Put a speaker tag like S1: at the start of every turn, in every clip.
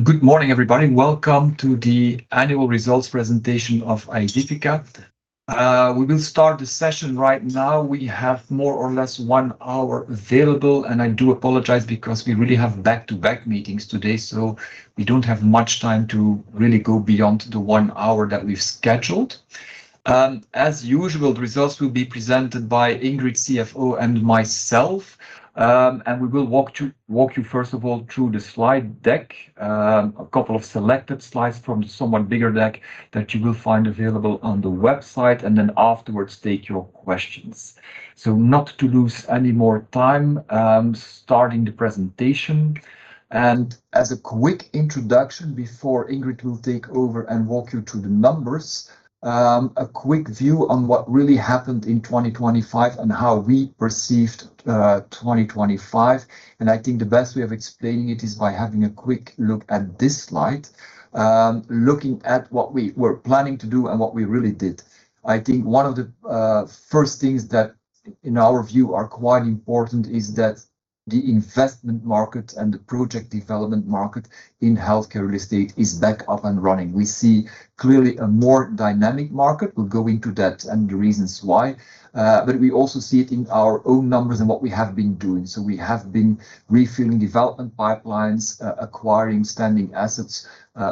S1: Good morning, everybody. Welcome to the annual results presentation of Aedifica. We will start the session right now. We have more or less one hour available, and I do apologize because we really have back-to-back meetings today, so we don't have much time to really go beyond the one hour that we've scheduled. As usual, the results will be presented by Ingrid, CFO, and myself, and we will walk you, first of all, through the slide deck, a couple of selected slides from the somewhat bigger deck that you will find available on the website, and then afterwards take your questions. So not to lose any more time, starting the presentation, and as a quick introduction before Ingrid will take over and walk you through the numbers, a quick view on what really happened in 2025 and how we perceived 2025. I think the best way of explaining it is by having a quick look at this slide. Looking at what we were planning to do and what we really did. I think one of the first things that, in our view, are quite important is that the investment market and the project development market in healthcare real estate is back up and running. We see clearly a more dynamic market. We'll go into that and the reasons why, but we also see it in our own numbers and what we have been doing. So we have been refueling development pipelines, acquiring standing assets,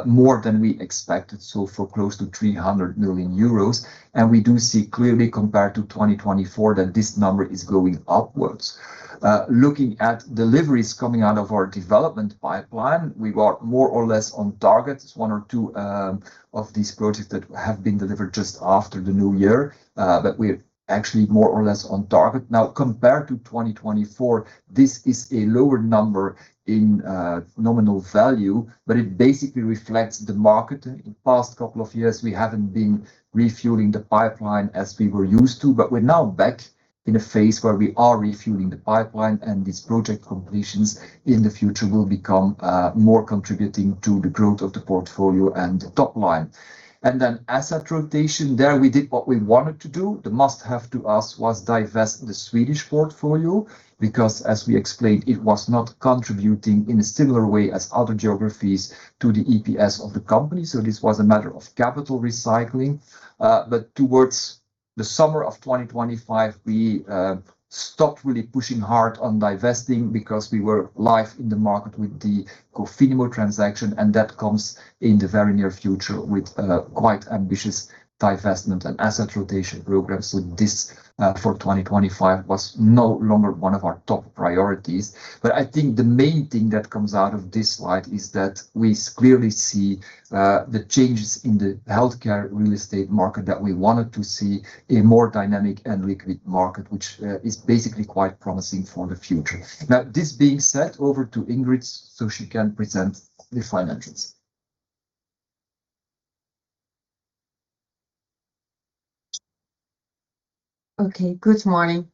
S1: more than we expected, so for close to 300 million euros. And we do see clearly, compared to 2024, that this number is going upwards. Looking at deliveries coming out of our development pipeline, we were more or less on target. It's one or two of these projects that have been delivered just after the new year, but we're actually more or less on target. Now, compared to 2024, this is a lower number in nominal value, but it basically reflects the market. In the past couple of years, we haven't been refueling the pipeline as we were used to, but we're now back in a phase where we are refueling the pipeline, and these project completions in the future will become more contributing to the growth of the portfolio and the top line. And then asset rotation, there we did what we wanted to do. The must-have to us was divest the Swedish portfolio because, as we explained, it was not contributing in a similar way as other geographies to the EPS of the company, so this was a matter of capital recycling. But towards the summer of 2025, we stopped really pushing hard on divesting because we were live in the market with the Cofinimmo transaction, and that comes in the very near future with a quite ambitious divestment and asset rotation program. So this, for 2025 was no longer one of our top priorities. But I think the main thing that comes out of this slide is that we clearly see the changes in the healthcare real estate market that we wanted to see: a more dynamic and liquid market, which is basically quite promising for the future. Now, this being said, over to Ingrid, so she can present the financials.
S2: Okay, good morning.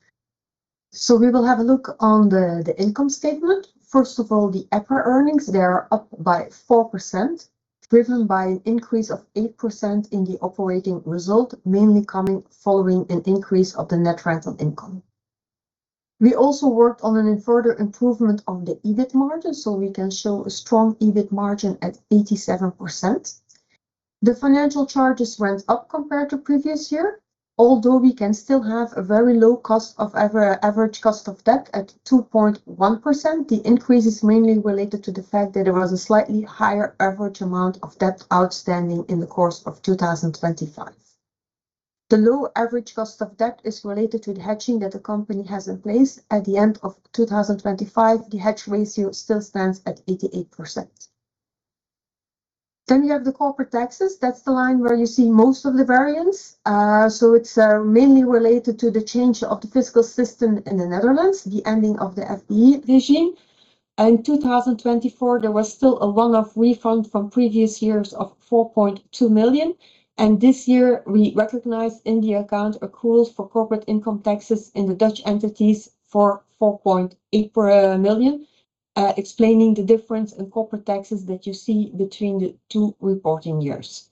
S2: So we will have a look at the income statement. First of all, the EPRA earnings, they are up by 4%, driven by an increase of 8% in the operating result, mainly coming following an increase of the net rental income. We also worked on a further improvement on the EBIT margin, so we can show a strong EBIT margin at 87%. The financial charges went up compared to previous year. Although we can still have a very low cost of our average cost of debt at 2.1%, the increase is mainly related to the fact that there was a slightly higher average amount of debt outstanding in the course of 2025. The low average cost of debt is related to the hedging that the company has in place. At the end of 2025, the hedge ratio still stands at 88%. Then we have the corporate taxes. That's the line where you see most of the variance. So it's mainly related to the change of the fiscal system in the Netherlands, the ending of the FBI regime. In 2024, there was still a one-off refund from previous years of 4.2 million, and this year, we recognized in the account accruals for corporate income taxes in the Dutch entities for 4.8 million, explaining the difference in corporate taxes that you see between the two reporting years.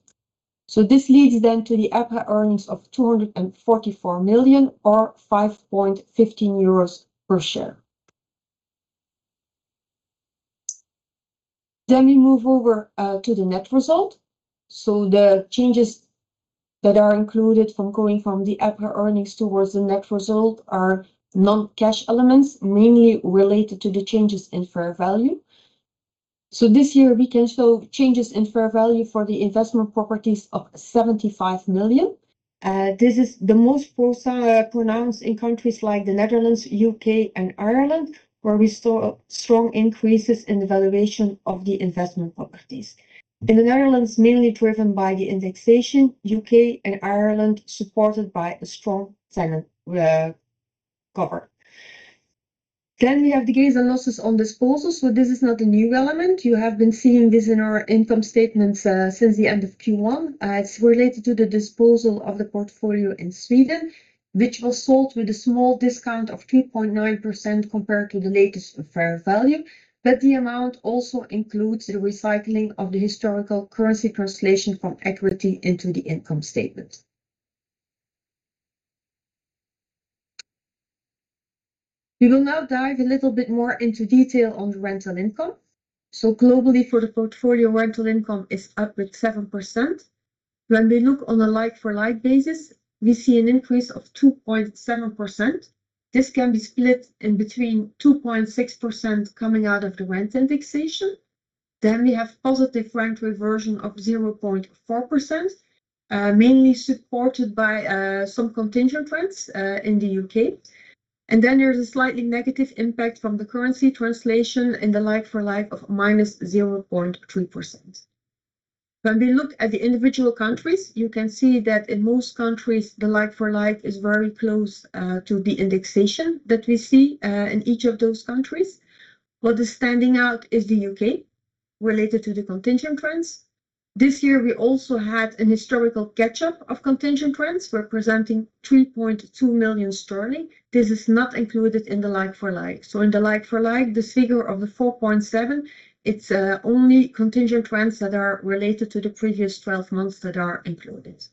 S2: So this leads then to the EPRA earnings of 244 million or 5.15 euros per share. Then we move over to the net result. So the changes that are included from going from the EPRA earnings towards the net result are non-cash elements, mainly related to the changes in fair value. So this year, we can show changes in fair value for the investment properties of 75 million. This is the most pronounced in countries like the Netherlands, U.K., and Ireland, where we saw strong increases in the valuation of the investment properties. In the Netherlands, mainly driven by the indexation. U.K. and Ireland, supported by a strong tenant cover. Then we have the gains and losses on disposals, so this is not a new element. You have been seeing this in our income statements since the end of Q1. It's related to the disposal of the portfolio in Sweden, which was sold with a small discount of 2.9% compared to the latest fair value. But the amount also includes the recycling of the historical currency translation from equity into the income statement. We will now dive a little bit more into detail on the rental income. So globally, for the portfolio, rental income is up with 7%. When we look on a like-for-like basis, we see an increase of 2.7%. This can be split in between 2.6% coming out of the rent indexation. Then we have positive rent reversion of 0.4%, mainly supported by some contingent rents in the U.K. And then there's a slightly negative impact from the currency translation in the like-for-like of -0.3%. When we look at the individual countries, you can see that in most countries, the like-for-like is very close to the indexation that we see in each of those countries. What is standing out is the U.K., related to the contingent rents. This year, we also had an historical catch-up of contingent rents, representing 3.2 million sterling. This is not included in the like-for-like. So in the like-for-like, this figure of the 4.7, it's only contingent rents that are related to the previous 12 months that are included.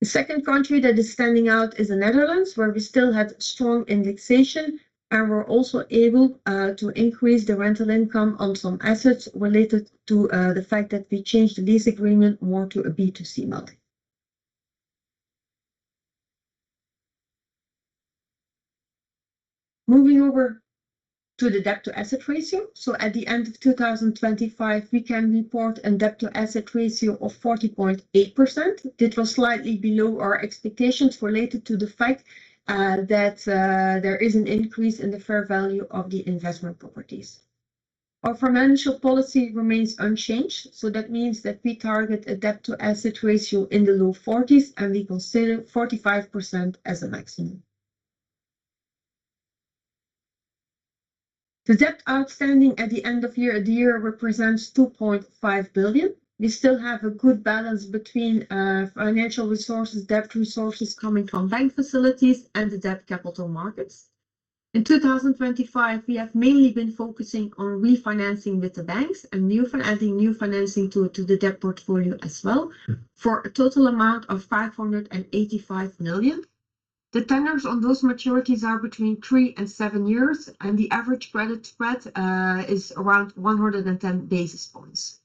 S2: The second country that is standing out is the Netherlands, where we still had strong indexation, and we're also able to increase the rental income on some assets related to the fact that we changed the lease agreement more to a B2C model. Moving over to the debt-to-asset ratio. So at the end of 2025, we can report a debt-to-asset ratio of 40.8%. It was slightly below our expectations related to the fact that there is an increase in the fair value of the investment properties. Our financial policy remains unchanged, so that means that we target a debt-to-asset ratio in the low forties, and we consider 45% as a maximum. The debt outstanding at the end of the year represents 2.5 billion. We still have a good balance between financial resources, debt resources coming from bank facilities and the debt capital markets. In 2025, we have mainly been focusing on refinancing with the banks and adding new financing to the debt portfolio as well, for a total amount of 585 million. The tenures on those maturities are between three years to seven years, and the average credit spread is around 110 basis points.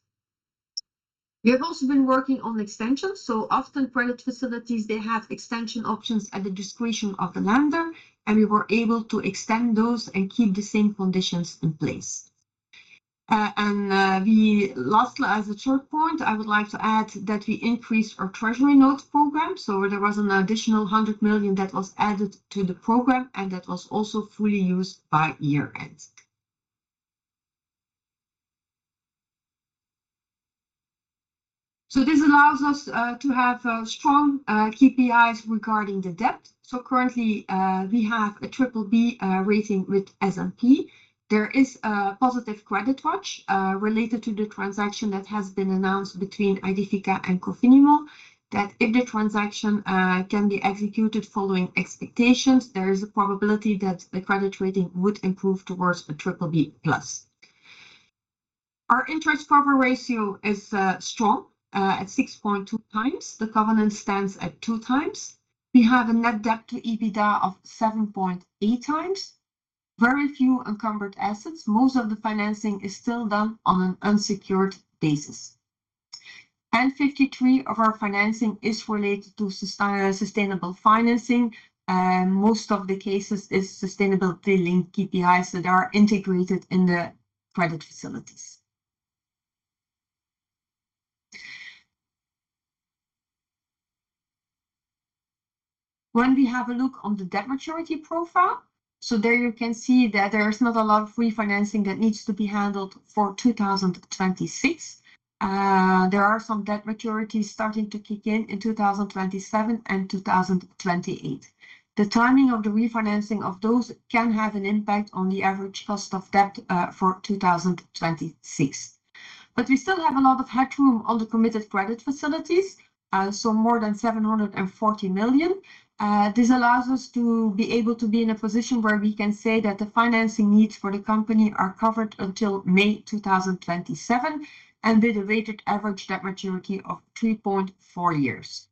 S2: We have also been working on extensions, so often credit facilities, they have extension options at the discretion of the lender, and we were able to extend those and keep the same conditions in place. As a third point, I would like to add that we increased our treasury note program, so there was an additional 100 million that was added to the program, and that was also fully used by year-end. So this allows us to have strong KPIs regarding the debt. So currently, we have a BBB rating with S&P. There is a positive credit watch related to the transaction that has been announced between Aedifica and Cofinimmo, that if the transaction can be executed following expectations, there is a probability that the credit rating would improve towards a triple B plus. Our interest cover ratio is strong at 6.2x. The covenant stands at 2x. We have a net debt to EBITDA of 7.8x. Very few encumbered assets. Most of the financing is still done on an unsecured basis. 53 of our financing is related to sustainable financing, and most of the cases is sustainable linked KPIs that are integrated in the credit facilities. When we have a look on the debt maturity profile, so there you can see that there is not a lot of refinancing that needs to be handled for 2026. There are some debt maturities starting to kick in, in 2027 and 2028. The timing of the refinancing of those can have an impact on the average cost of debt, for 2026. But we still have a lot of headroom on the committed credit facilities, so more than 740 million. This allows us to be able to be in a position where we can say that the financing needs for the company are covered until May 2027, and with a weighted average debt maturity of 3.4 years.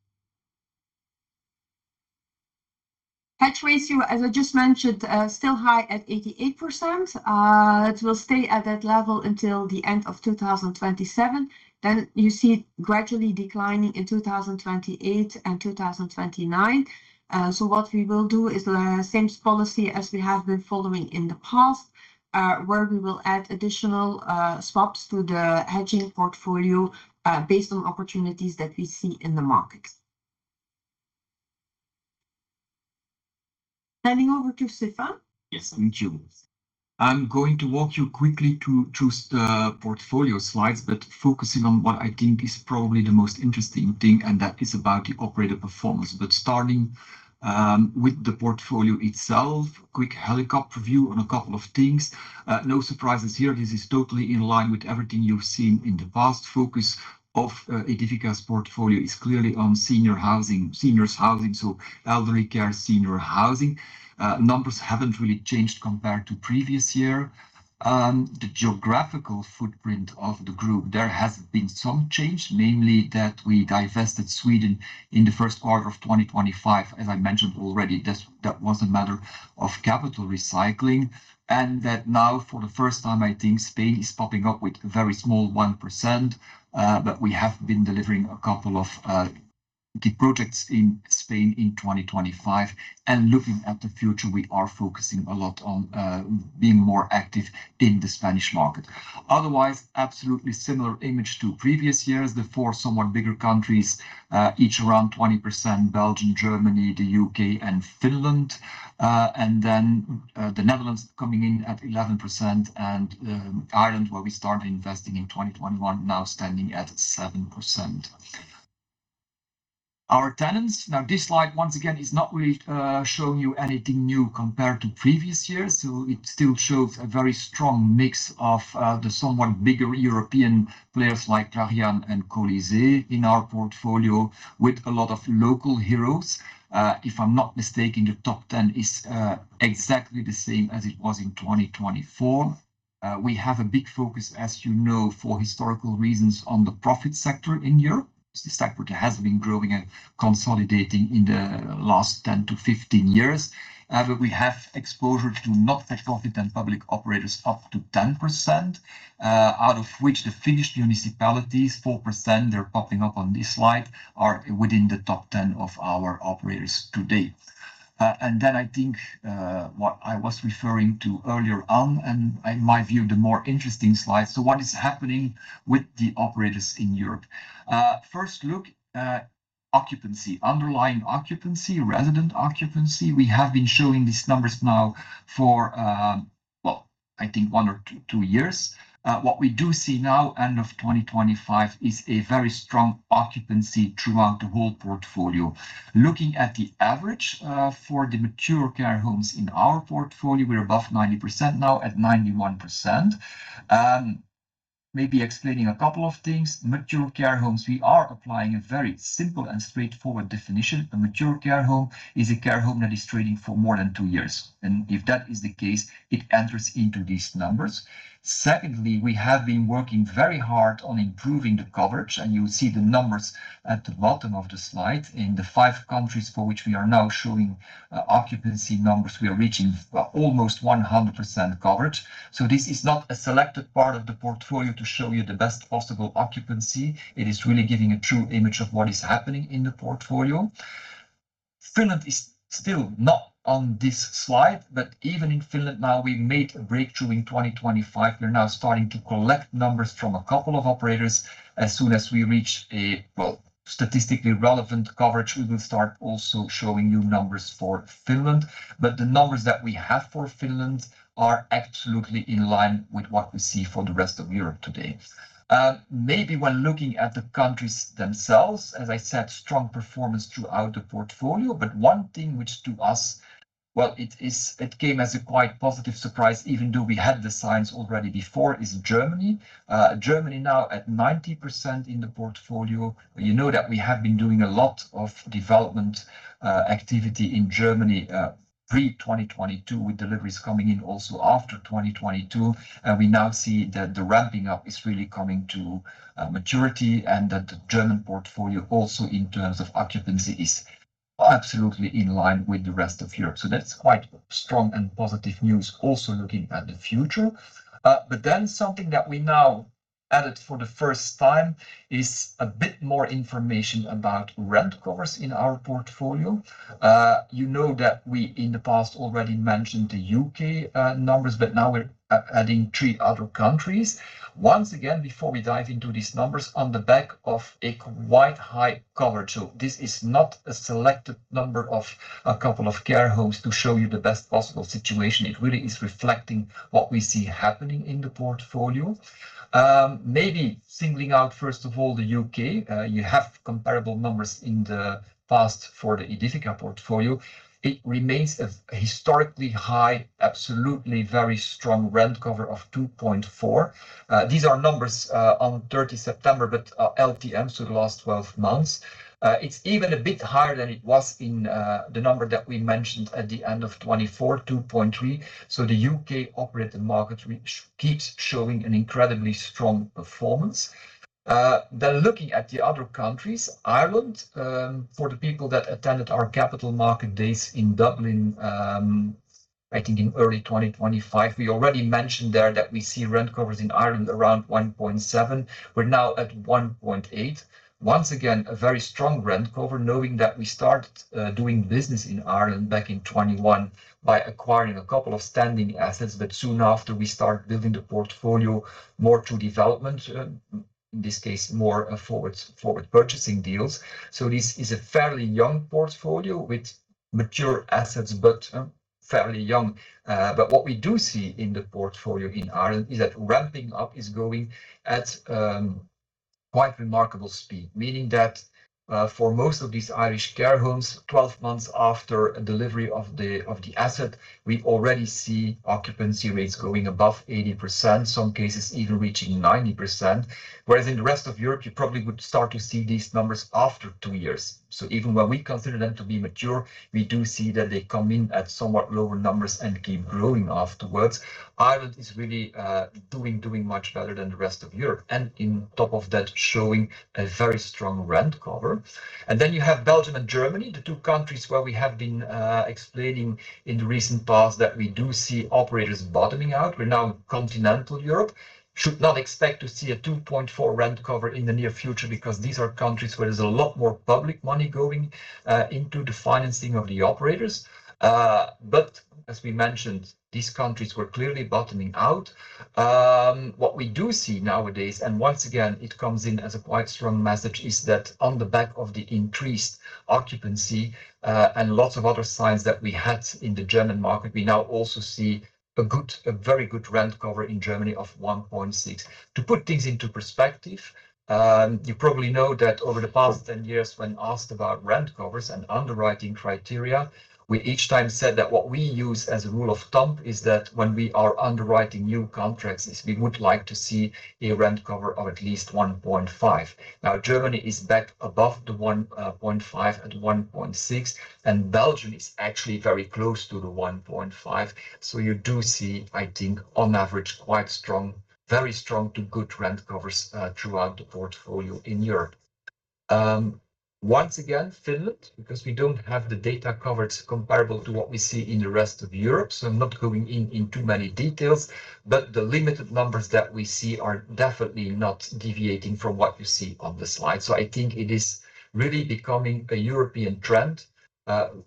S2: Hedge ratio, as I just mentioned, still high at 88%. It will stay at that level until the end of 2027. Then you see it gradually declining in 2028 and 2029. So what we will do is the same policy as we have been following in the past, where we will add additional swaps to the hedging portfolio, based on opportunities that we see in the markets. Turning over to Stefaan.
S1: Yes, thank you. I'm going to walk you quickly through the portfolio slides, but focusing on what I think is probably the most interesting thing, and that is about the operator performance. But starting with the portfolio itself, quick helicopter view on a couple of things. No surprises here. This is totally in line with everything you've seen in the past. Focus of Aedifica's portfolio is clearly on senior housing—seniors housing, so elderly care, senior housing. Numbers haven't really changed compared to previous year. The geographical footprint of the group, there has been some change, namely that we divested Sweden in the first quarter of 2025. As I mentioned already, that was a matter of capital recycling, and that now, for the first time, I think Spain is popping up with a very small 1%. But we have been delivering a couple of the projects in Spain in 2025. And looking at the future, we are focusing a lot on being more active in the Spanish market. Otherwise, absolutely similar image to previous years. The four somewhat bigger countries, each around 20%, Belgium, Germany, the U.K., and Finland, and then the Netherlands coming in at 11%, and Ireland, where we started investing in 2021, now standing at 7%. Our tenants. Now, this slide, once again, is not really showing you anything new compared to previous years, so it still shows a very strong mix of the somewhat bigger European players like Tertianum and Colisée in our portfolio, with a lot of local heroes. If I'm not mistaken, the top 10 is exactly the same as it was in 2024. We have a big focus, as you know, for historical reasons, on the profit sector in Europe. This sector has been growing and consolidating in the last 10 years-15 years, but we have exposure to not-for-profit and public operators up to 10%, out of which the Finnish municipalities, 4%, they're popping up on this slide, are within the top 10 of our operators to date. And then I think, what I was referring to earlier on, and in my view, the more interesting slide, so what is happening with the operators in Europe? First look at occupancy, underlying occupancy, resident occupancy. We have been showing these numbers now for, well, I think one or two, two years. What we do see now, end of 2025, is a very strong occupancy throughout the whole portfolio. Looking at the average, for the mature care homes in our portfolio, we're above 90% now, at 91%. Maybe explaining a couple of things, mature care homes, we are applying a very simple and straightforward definition. A mature care home is a care home that is trading for more than two years, and if that is the case, it enters into these numbers. Secondly, we have been working very hard on improving the coverage, and you will see the numbers at the bottom of the slide. In the five countries for which we are now showing, occupancy numbers, we are reaching, almost 100% coverage. So this is not a selected part of the portfolio to show you the best possible occupancy. It is really giving a true image of what is happening in the portfolio. Finland is still not on this slide, but even in Finland now, we made a breakthrough in 2025. We're now starting to collect numbers from a couple of operators. As soon as we reach a, well, statistically relevant coverage, we will start also showing you numbers for Finland. But the numbers that we have for Finland are absolutely in line with what we see for the rest of Europe today. Maybe when looking at the countries themselves, as I said, strong performance throughout the portfolio, but one thing which to us, well, it came as a quite positive surprise, even though we had the signs already before, is Germany. Germany now at 90% in the portfolio. You know that we have been doing a lot of development activity in Germany pre-2022, with deliveries coming in also after 2022. And we now see that the ramping up is really coming to maturity, and that the German portfolio, also in terms of occupancy, is absolutely in line with the rest of Europe. So that's quite strong and positive news, also looking at the future. But then something that we now added for the first time is a bit more information about rent covers in our portfolio. You know that we, in the past, already mentioned the U.K. numbers, but now we're adding three other countries. Once again, before we dive into these numbers, on the back of a quite high cover too, this is not a selected number of a couple of care homes to show you the best possible situation. It really is reflecting what we see happening in the portfolio. Maybe singling out, first of all, the U.K., you have comparable numbers in the past for the Aedifica portfolio. It remains a historically high, absolutely very strong rent cover of 2.4. These are numbers on 30 September, but LTM, so the last twelve months. It's even a bit higher than it was in the number that we mentioned at the end of 2024, 2.3. So the U.K. operated market keeps showing an incredibly strong performance. Then looking at the other countries, Ireland, for the people that attended our capital market days in Dublin, I think in early 2025, we already mentioned there that we see rent covers in Ireland around 1.7. We're now at 1.8. Once again, a very strong rent cover, knowing that we started doing business in Ireland back in 2021 by acquiring a couple of standing assets, but soon after, we start building the portfolio more to development, in this case, more forward purchasing deals. So this is a fairly young portfolio with mature assets, but fairly young. But what we do see in the portfolio in Ireland is that ramping up is going at quite remarkable speed. Meaning that, for most of these Irish care homes, 12 months after delivery of the asset, we already see occupancy rates going above 80%, some cases even reaching 90%. Whereas in the rest of Europe, you probably would start to see these numbers after two years. So even when we consider them to be mature, we do see that they come in at somewhat lower numbers and keep growing afterwards. Ireland is really doing much better than the rest of Europe, and on top of that, showing a very strong rent cover. And then you have Belgium and Germany, the two countries where we have been explaining in the recent past that we do see operators bottoming out. We're now in continental Europe. Should not expect to see a 2.4 rent cover in the near future, because these are countries where there's a lot more public money going into the financing of the operators. But as we mentioned, these countries were clearly bottoming out. What we do see nowadays, and once again, it comes in as a quite strong message, is that on the back of the increased occupancy, and lots of other signs that we had in the German market. We now also see a good, a very good rent cover in Germany of 1.6. To put things into perspective, you probably know that over the past 10 years, when asked about rent covers and underwriting criteria, we each time said that what we use as a rule of thumb is that when we are underwriting new contracts, is we would like to see a rent cover of at least 1.5. Now, Germany is back above the 1.5, at 1.6, and Belgium is actually very close to the 1.5. So you do see, I think, on average, quite strong, very strong to good rent covers, throughout the portfolio in Europe. Once again, Finland, because we don't have the data coverage comparable to what we see in the rest of Europe, so I'm not going in too many details, but the limited numbers that we see are definitely not deviating from what you see on the slide. So I think it is really becoming a European trend,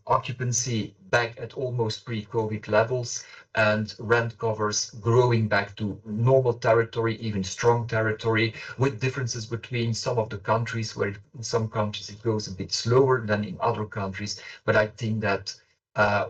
S1: occupancy back at almost pre-COVID levels, and rent covers growing back to normal territory, even strong territory, with differences between some of the countries, where in some countries it goes a bit slower than in other countries. But I think that,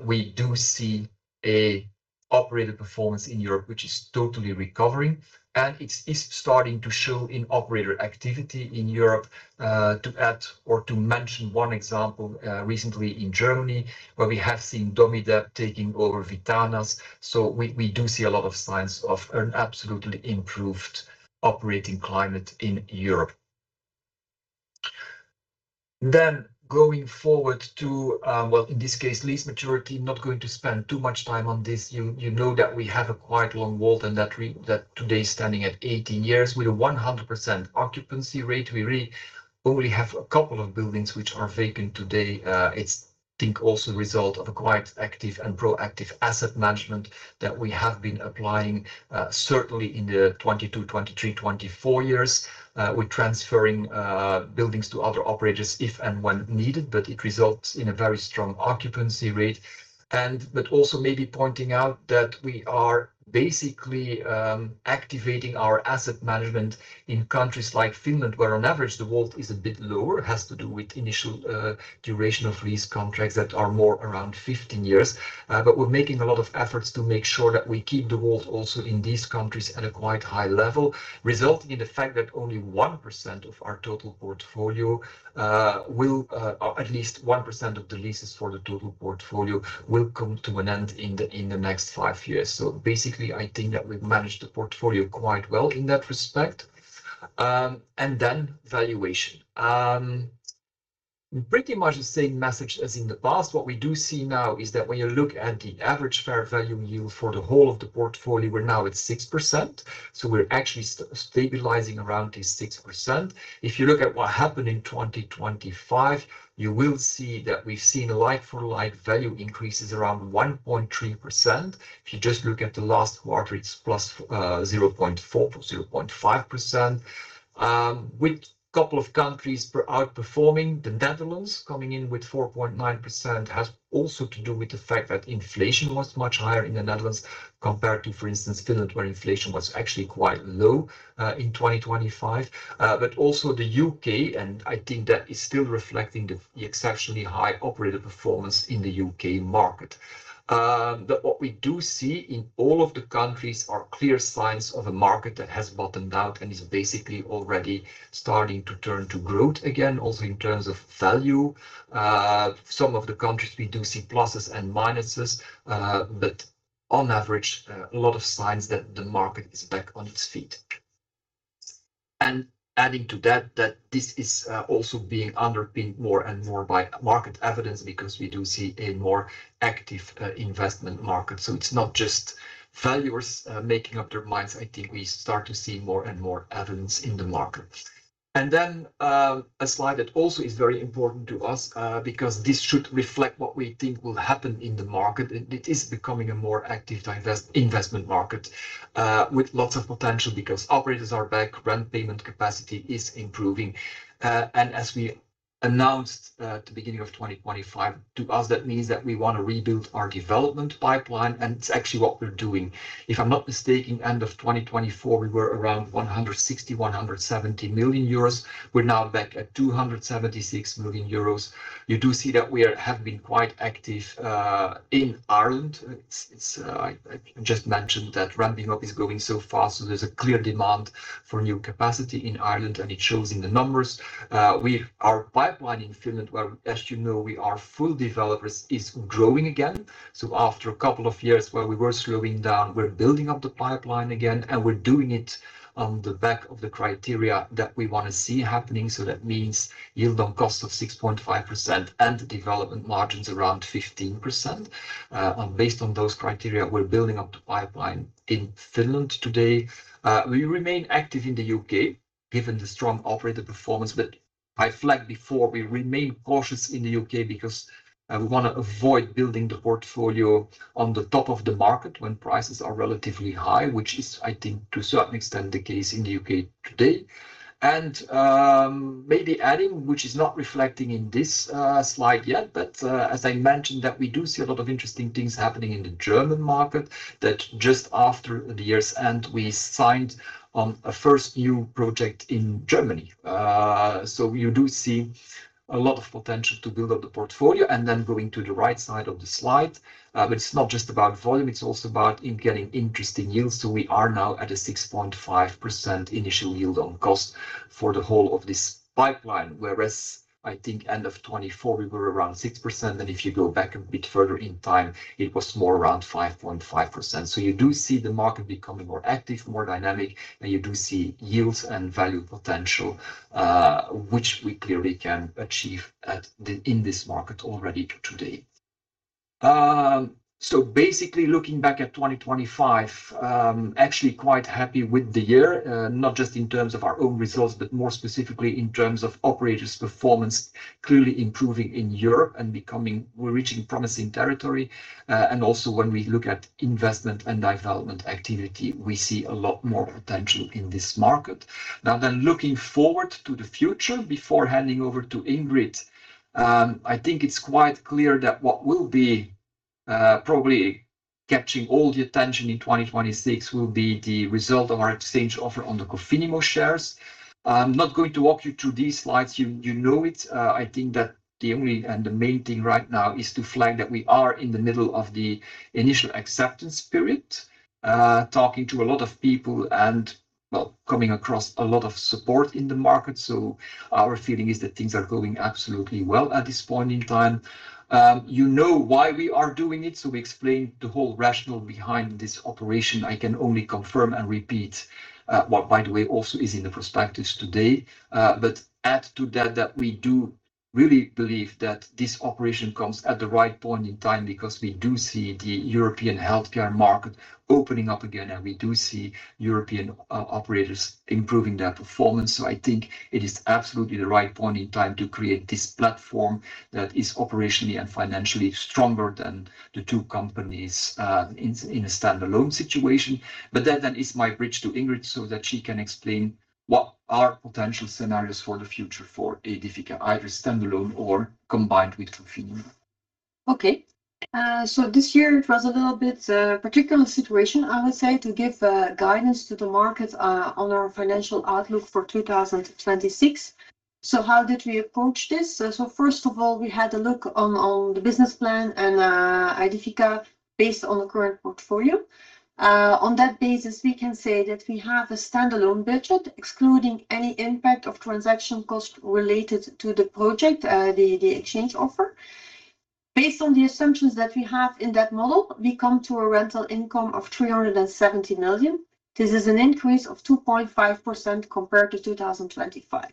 S1: we do see a operator performance in Europe, which is totally recovering, and it's starting to show in operator activity in Europe. To add or to mention one example, recently in Germany, where we have seen Domidep taking over Vitanas. So we do see a lot of signs of an absolutely improved operating climate in Europe. Then going forward to, well, in this case, lease maturity, not going to spend too much time on this. You know that we have a quite long WALT and that today is standing at 18 years with a 100% occupancy rate. We really only have a couple of buildings which are vacant today. It's, I think, also the result of a quite active and proactive asset management that we have been applying, certainly in the 2022, 2023, 2024 years. We're transferring buildings to other operators if and when needed, but it results in a very strong occupancy rate. Also maybe pointing out that we are basically activating our asset management in countries like Finland, where on average, the WALT is a bit lower. It has to do with initial duration of lease contracts that are more around 15 years. But we're making a lot of efforts to make sure that we keep the WALT also in these countries at a quite high level, resulting in the fact that only 1% of our total portfolio will or at least 1% of the leases for the total portfolio will come to an end in the next five years. So basically, I think that we've managed the portfolio quite well in that respect. And then valuation. Pretty much the same message as in the past. What we do see now is that when you look at the average fair value yield for the whole of the portfolio, we're now at 6%, so we're actually stabilizing around the 6%. If you look at what happened in 2025, you will see that we've seen like-for-like value increases around 1.3%. If you just look at the last quarter, it's +0.4%-0.5%, with couple of countries outperforming. The Netherlands, coming in with 4.9%, has also to do with the fact that inflation was much higher in the Netherlands compared to, for instance, Finland, where inflation was actually quite low, in 2025. But also the U.K., and I think that is still reflecting the exceptionally high operator performance in the U.K. market. But what we do see in all of the countries are clear signs of a market that has bottomed out and is basically already starting to turn to growth again, also in terms of value. Some of the countries, we do see pluses and minuses, but on average, a lot of signs that the market is back on its feet. And adding to that, that this is also being underpinned more and more by market evidence because we do see a more active investment market. So it's not just valuers making up their minds, I think we start to see more and more evidence in the market. And then, a slide that also is very important to us, because this should reflect what we think will happen in the market. It is becoming a more active investment market with lots of potential because operators are back, rent payment capacity is improving. And as we announced at the beginning of 2025, to us, that means that we want to rebuild our development pipeline, and it's actually what we're doing. If I'm not mistaken, end of 2024, we were around 160 million-170 million euros. We're now back at 276 million euros. You do see that we are, have been quite active in Ireland. It's just mentioned that ramping up is going so fast, so there's a clear demand for new capacity in Ireland, and it shows in the numbers. Our pipeline in Finland, where, as you know, we are full developers, is growing again. So after a couple of years where we were slowing down, we're building up the pipeline again, and we're doing it on the back of the criteria that we wanna see happening. So that means yield on cost of 6.5% and development margins around 15%. And based on those criteria, we're building up the pipeline in Finland today. We remain active in the U.K. given the strong operator performance. But I flagged before, we remain cautious in the U.K. because we wanna avoid building the portfolio on the top of the market when prices are relatively high, which is, I think, to a certain extent, the case in the U.K. today. Maybe adding, which is not reflecting in this slide yet, but as I mentioned, that we do see a lot of interesting things happening in the German market, that just after the year's end, we signed on a first new project in Germany. So we do see a lot of potential to build up the portfolio. And then going to the right side of the slide, but it's not just about volume, it's also about in getting interesting yields. So we are now at a 6.5% initial yield on cost for the whole of this pipeline, whereas I think end of 2024, we were around 6%, and if you go back a bit further in time, it was more around 5.5%. So you do see the market becoming more active, more dynamic, and you do see yields and value potential, which we clearly can achieve in this market already today. So basically, looking back at 2025, actually quite happy with the year, not just in terms of our own results, but more specifically in terms of operators' performance, clearly improving in Europe and becoming, we're reaching promising territory. And also when we look at investment and development activity, we see a lot more potential in this market. Now, then, looking forward to the future, before handing over to Ingrid, I think it's quite clear that what will be, probably catching all the attention in 2026 will be the result of our exchange offer on the Cofinimmo shares. I'm not going to walk you through these slides, you, you know it. I think that the only and the main thing right now is to flag that we are in the middle of the initial acceptance period, talking to a lot of people and, well, coming across a lot of support in the market. So our feeling is that things are going absolutely well at this point in time. You know why we are doing it, so we explained the whole rationale behind this operation. I can only confirm and repeat what, by the way, also is in the prospectus today. But add to that, that we do really believe that this operation comes at the right point in time because we do see the European healthcare market opening up again, and we do see European operators improving their performance. So I think it is absolutely the right point in time to create this platform that is operationally and financially stronger than the two companies in a standalone situation. But that then is my bridge to Ingrid so that she can explain what are potential scenarios for the future for Aedifica, either standalone or combined with Cofinimmo.
S2: Okay. So this year it was a little bit particular situation, I would say, to give guidance to the market on our financial outlook for 2026. So how did we approach this? So first of all, we had a look on the business plan and Aedifica, based on the current portfolio. On that basis, we can say that we have a standalone budget, excluding any impact of transaction costs related to the project, the exchange offer. Based on the assumptions that we have in that model, we come to a rental income of 370 million. This is an increase of 2.5% compared to 2025.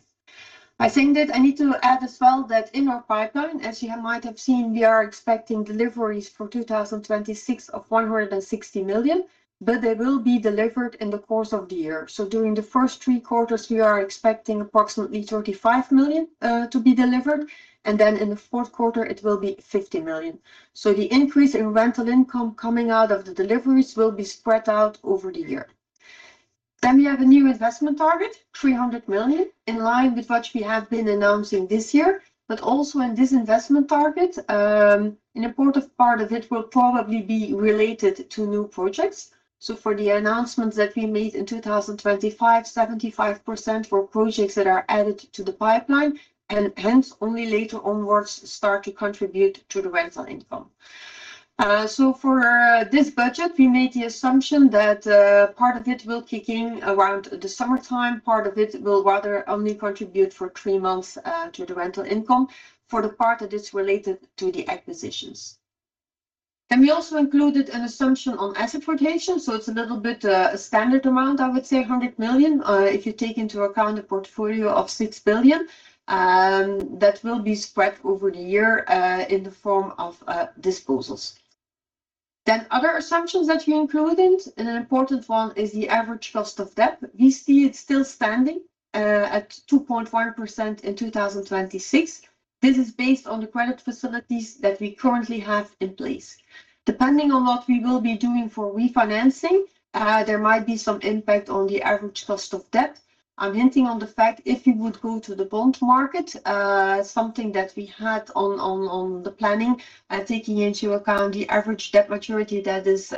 S2: I think that I need to add as well that in our pipeline, as you might have seen, we are expecting deliveries for 2026 of 160 million, but they will be delivered in the course of the year. So during the first three quarters, we are expecting approximately 35 million to be delivered, and then in the fourth quarter it will be 50 million. So the increase in rental income coming out of the deliveries will be spread out over the year. Then we have a new investment target, 300 million, in line with what we have been announcing this year. But also in this investment target, an important part of it will probably be related to new projects. So for the announcements that we made in 2025, 75% were projects that are added to the pipeline, and hence, only later onwards start to contribute to the rental income. So for this budget, we made the assumption that part of it will kick in around the summertime. Part of it will rather only contribute for three months to the rental income for the part that is related to the acquisitions. And we also included an assumption on asset rotation, so it's a little bit standard amount, I would say 100 million. If you take into account a portfolio of 6 billion, that will be spread over the year in the form of disposals. Then other assumptions that we included, and an important one is the average cost of debt. We see it still standing at 2.1% in 2026. This is based on the credit facilities that we currently have in place. Depending on what we will be doing for refinancing, there might be some impact on the average cost of debt. I'm hinting on the fact, if we would go to the bond market, something that we had on the planning, taking into account the average debt maturity, that is,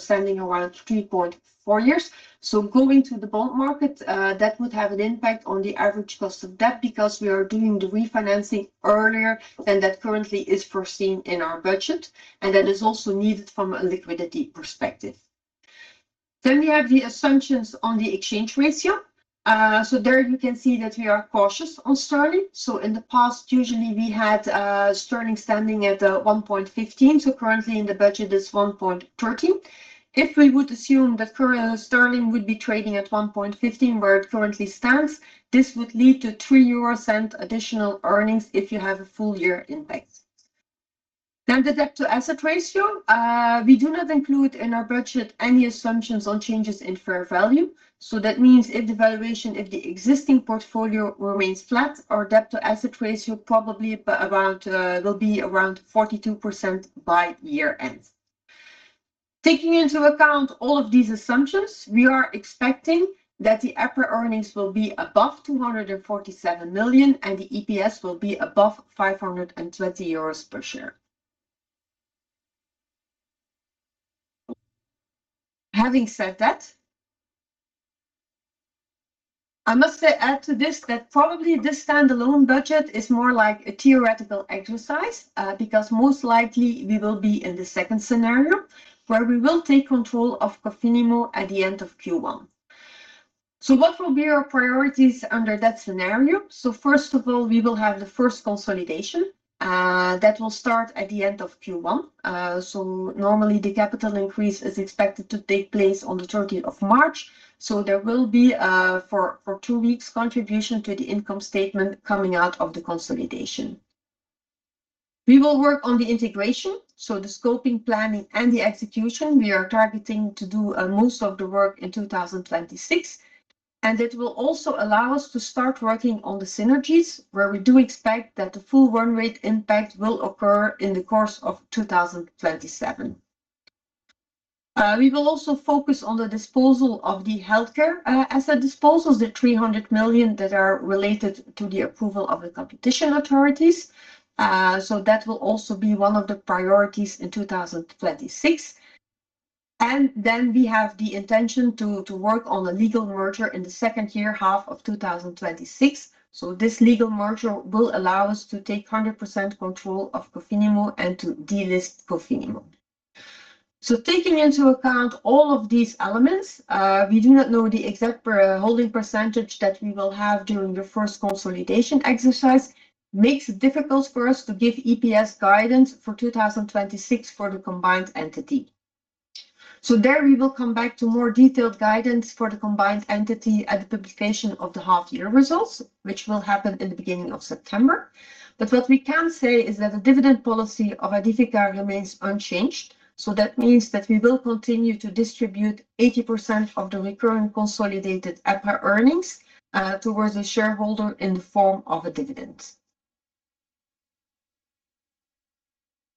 S2: standing around 3.4 years. So going to the bond market, that would have an impact on the average cost of debt because we are doing the refinancing earlier than that currently is foreseen in our budget, and that is also needed from a liquidity perspective. Then we have the assumptions on the exchange ratio. There you can see that we are cautious on sterling. In the past, usually we had sterling standing at 1.15. Currently in the budget, it's 1.13. If we would assume that current sterling would be trading at 1.15, where it currently stands, this would lead to 0.03 euros additional earnings if you have a full year impact. The debt-to-asset ratio, we do not include in our budget any assumptions on changes in fair value. That means if the valuation, if the existing portfolio remains flat, our debt-to-asset ratio probably but around will be around 42% by year-end. Taking into account all of these assumptions, we are expecting that the EPRA earnings will be above 247 million, and the EPS will be above 5.20 euros per share. Having said that, I must say, add to this, that probably this standalone budget is more like a theoretical exercise, because most likely we will be in the second scenario, where we will take control of Cofinimmo at the end of Q1. So what will be our priorities under that scenario? So first of all, we will have the first consolidation, that will start at the end of Q1. So normally, the capital increase is expected to take place on the thirteenth of March, so there will be, for two weeks, contribution to the income statement coming out of the consolidation. We will work on the integration, so the scoping, planning, and the execution. We are targeting to do most of the work in 2026, and it will also allow us to start working on the synergies, where we do expect that the full run rate impact will occur in the course of 2027. We will also focus on the disposal of the healthcare. As the disposals, the 300 million that are related to the approval of the competition authorities. So that will also be one of the priorities in 2026. And then we have the intention to work on the legal merger in the second half of 2026. So this legal merger will allow us to take 100% control of Cofinimmo and to delist Cofinimmo. Taking into account all of these elements, we do not know the exact per-holding percentage that we will have during the first consolidation exercise. Makes it difficult for us to give EPS guidance for 2026 for the combined entity. So there we will come back to more detailed guidance for the combined entity at the publication of the half-year results, which will happen in the beginning of September. But what we can say is that the dividend policy of Aedifica remains unchanged, so that means that we will continue to distribute 80% of the recurring consolidated EPRA earnings towards the shareholder in the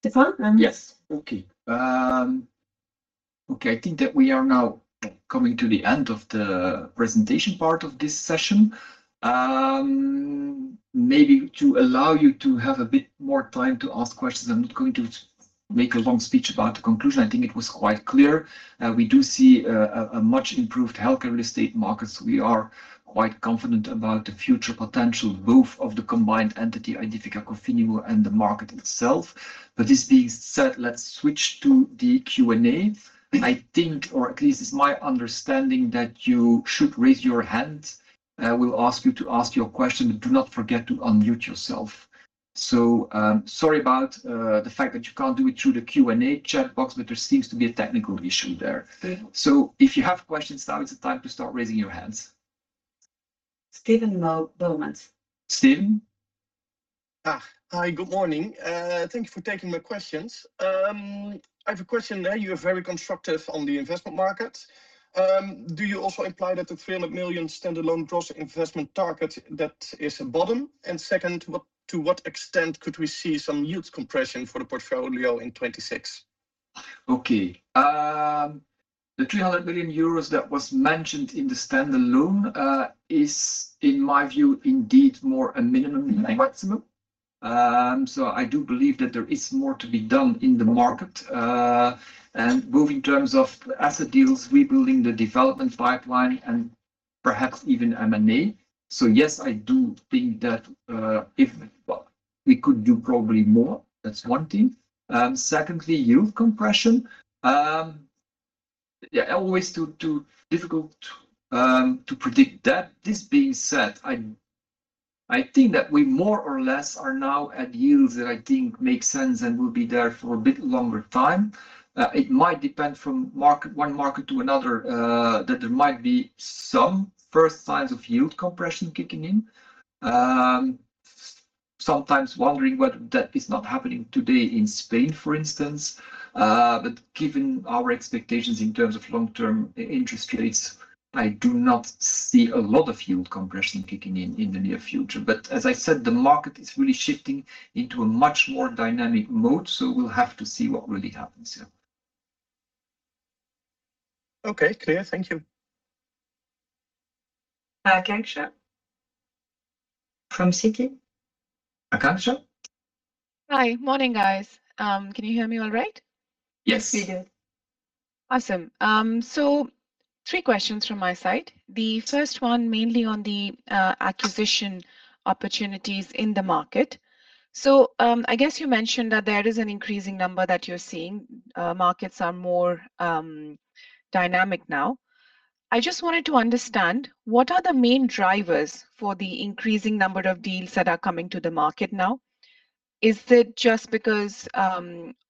S2: form of a dividend. Stefaan?
S1: Yes. Okay. Okay, I think that we are now coming to the end of the presentation part of this session. Maybe to allow you to have a bit more time to ask questions, I'm not going to make a long speech about the conclusion. I think it was quite clear. We do see a much improved healthcare real estate markets. We are quite confident about the future potential, both of the combined entity, Aedifica Cofinimmo, and the market itself. But this being said, let's switch to the Q&A. I think, or at least it's my understanding, that you should raise your hand. I will ask you to ask your question. Do not forget to unmute yourself. So, sorry about the fact that you can't do it through the Q&A chat box, but there seems to be a technical issue there.
S2: Okay.
S1: If you have questions, now is the time to start raising your hands.
S2: Steven Boumans.
S1: Steven?
S3: Hi, good morning. Thank you for taking my questions. I have a question. You are very constructive on the investment market. Do you also imply that the 300 million standalone gross investment target, that is a bottom? And second, what- to what extent could we see some yield compression for the portfolio in 2026?
S1: Okay. The three hundred million euros that was mentioned in the standalone is, in my view, indeed more a minimum than maximum. So I do believe that there is more to be done in the market. And both in terms of asset deals, rebuilding the development pipeline, and perhaps even M&A. So yes, I do think that, if. Well, we could do probably more. That's one thing. Secondly, yield compression. Yeah, always too, too difficult to predict that. This being said, I, I think that we more or less are now at yields that I think make sense and will be there for a bit longer time. It might depend from market, one market to another, that there might be some first signs of yield compression kicking in. Sometimes wondering whether that is not happening today in Spain, for instance. But given our expectations in terms of long-term interest rates, I do not see a lot of yield compression kicking in in the near future. But as I said, the market is really shifting into a much more dynamic mode, so we'll have to see what really happens here.
S3: Okay, clear. Thank you.
S2: Aakanksha from Citi.
S1: Aakanksha?
S4: Hi. Morning, guys. Can you hear me all right?
S1: Yes.
S2: Yes, we do.
S4: Awesome. So three questions from my side. The first one, mainly on the acquisition opportunities in the market. So I guess you mentioned that there is an increasing number that you're seeing. Markets are more dynamic now. I just wanted to understand, what are the main drivers for the increasing number of deals that are coming to the market now? Is it just because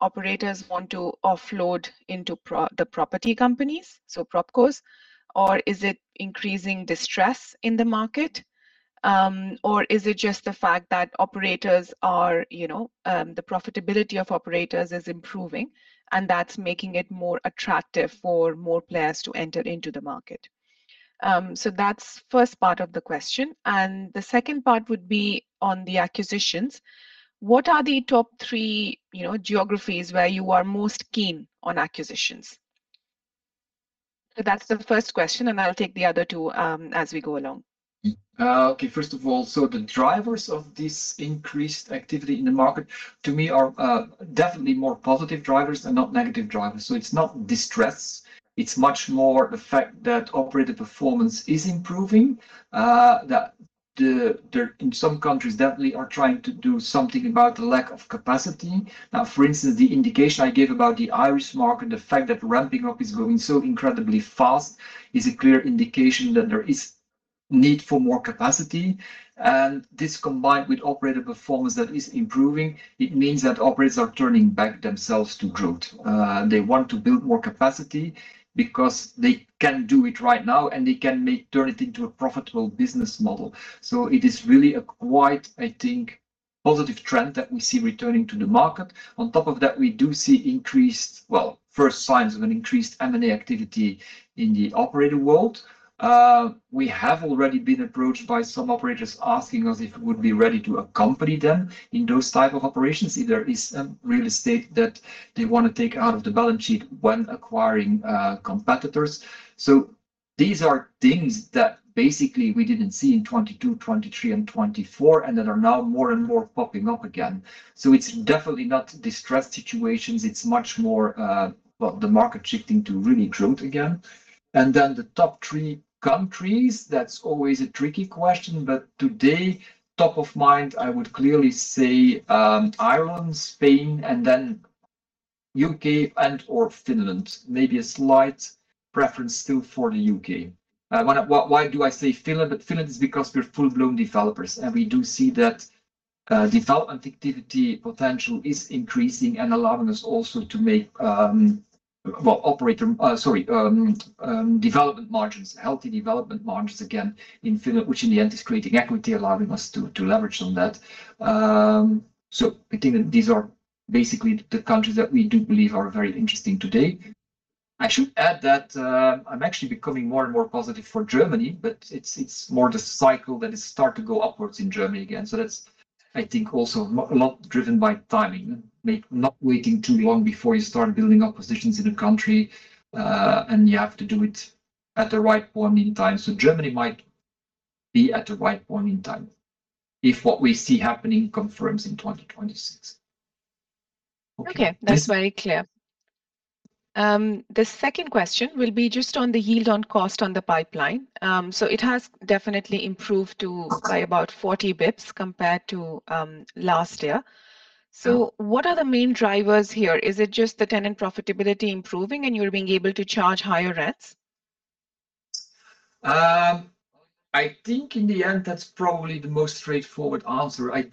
S4: operators want to offload into the property companies, so PropCos, or is it increasing distress in the market? Or is it just the fact that operators are, you know the profitability of operators is improving, and that's making it more attractive for more players to enter into the market? So that's first part of the question, and the second part would be on the acquisitions. What are the top three, you know, geographies where you are most keen on acquisitions? That's the first question, and I'll take the other two, as we go along.
S1: Okay, first of all, so the drivers of this increased activity in the market, to me, are definitely more positive drivers and not negative drivers. So it's not distress, it's much more the fact that operator performance is improving, that the in some countries, definitely are trying to do something about the lack of capacity. Now, for instance, the indication I gave about the Irish market, the fact that ramping up is going so incredibly fast is a clear indication that there is need for more capacity, and this combined with operator performance that is improving, it means that operators are turning back themselves to growth. They want to build more capacity because they can do it right now, and they can make, turn it into a profitable business model. So it is really a quite, I think, positive trend that we see returning to the market. On top of that, we do see increased, well, first signs of an increased M&A activity in the operator world. We have already been approached by some operators asking us if we would be ready to accompany them in those type of operations, if there is real estate that they want to take out of the balance sheet when acquiring competitors. So these are things that basically we didn't see in 2022, 2023, and 2024, and that are now more and more popping up again. So it's definitely not distressed situations, it's much more, well, the market shifting to really growth again. And then the top three countries, that's always a tricky question, but today, top of mind, I would clearly say Ireland, Spain, and then U.K. and/or Finland. Maybe a slight preference still for the U.K. Why, why, why do I say Finland? But Finland is because we're full-blown developers, and we do see that development activity potential is increasing and allowing us also to make development margins, healthy development margins again in Finland, which in the end is creating equity, allowing us to leverage on that. So I think that these are basically the countries that we do believe are very interesting today. I should add that I'm actually becoming more and more positive for Germany, but it's more the cycle that has started to go upwards in Germany again. So that's, I think, also a lot driven by timing. Not waiting too long before you start building up positions in a country, and you have to do it at the right point in time. So Germany might be at the right point in time, if what we see happening confirms in 2026.
S4: Okay.
S1: Yes-
S4: That's very clear. The second question will be just on the yield on cost on the pipeline. So it has definitely improved to-
S1: Okay
S4: by about 40 basis points compared to last year.
S1: Yeah.
S4: What are the main drivers here? Is it just the tenant profitability improving, and you're being able to charge higher rents?
S1: I think in the end, that's probably the most straightforward answer. I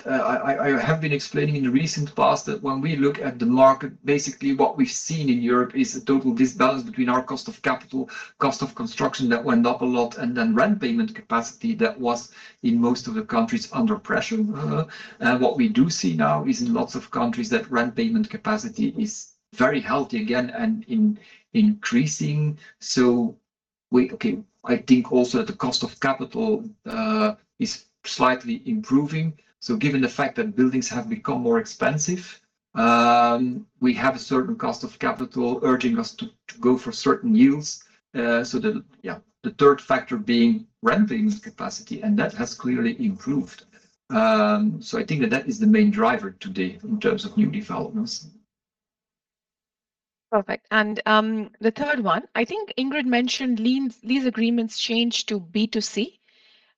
S1: have been explaining in the recent past that when we look at the market, basically what we've seen in Europe is a total disbalance between our cost of capital, cost of construction, that went up a lot, and then rent payment capacity that was, in most of the countries, under pressure. And what we do see now is in lots of countries, that rent payment capacity is very healthy again and increasing. Okay, I think also the cost of capital is slightly improving. So given the fact that buildings have become more expensive, we have a certain cost of capital urging us to go for certain yields. So yeah, the third factor being rent payment capacity, and that has clearly improved. So, I think that that is the main driver today in terms of new developments.
S4: Perfect. And, the third one, I think Ingrid mentioned lease, lease agreements changed to B2C.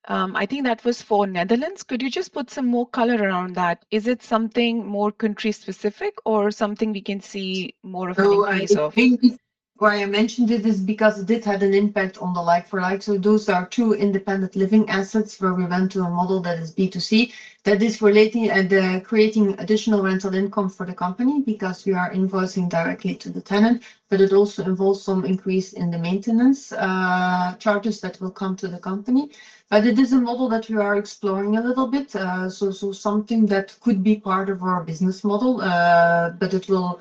S4: I think that was for Netherlands. Could you just put some more color around that? Is it something more country-specific or something we can see more of it yourself?
S2: No, I think why I mentioned it is because it did have an impact on the like for like. So those are two independent living assets, where we went to a model that is B2C, that is relating and, creating additional rental income for the company because we are invoicing directly to the tenant, but it also involves some increase in the maintenance, charges that will come to the company. But it is a model that we are exploring a little bit, so, so something that could be part of our business model, but it will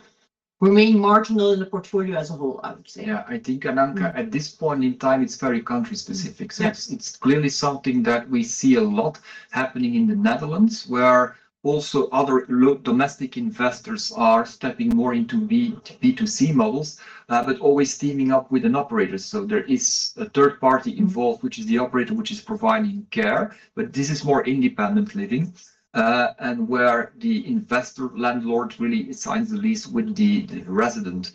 S2: remain marginal in the portfolio as a whole, I would say.
S1: Yeah, I think, Aakanksha, at this point in time, it's very country-specific.
S2: Yeah.
S1: So it's clearly something that we see a lot happening in the Netherlands, where also other local domestic investors are stepping more into B2C models, but always teaming up with an operator. So there is a third party involved
S2: Mm-hmm
S1: which is the operator, which is providing care, but this is more independent living, and where the investor landlord really signs the lease with the resident.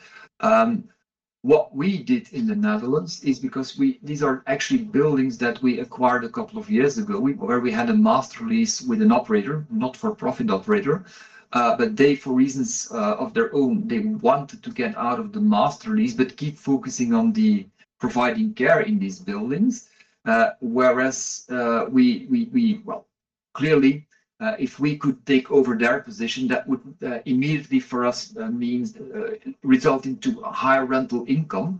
S1: What we did in the Netherlands is because these are actually buildings that we acquired a couple of years ago, where we had a master lease with an operator, not-for-profit operator, but they, for reasons of their own, they wanted to get out of the master lease, but keep focusing on the providing care in these buildings. Whereas, clearly, if we could take over their position, that would immediately for us means result into a higher rental income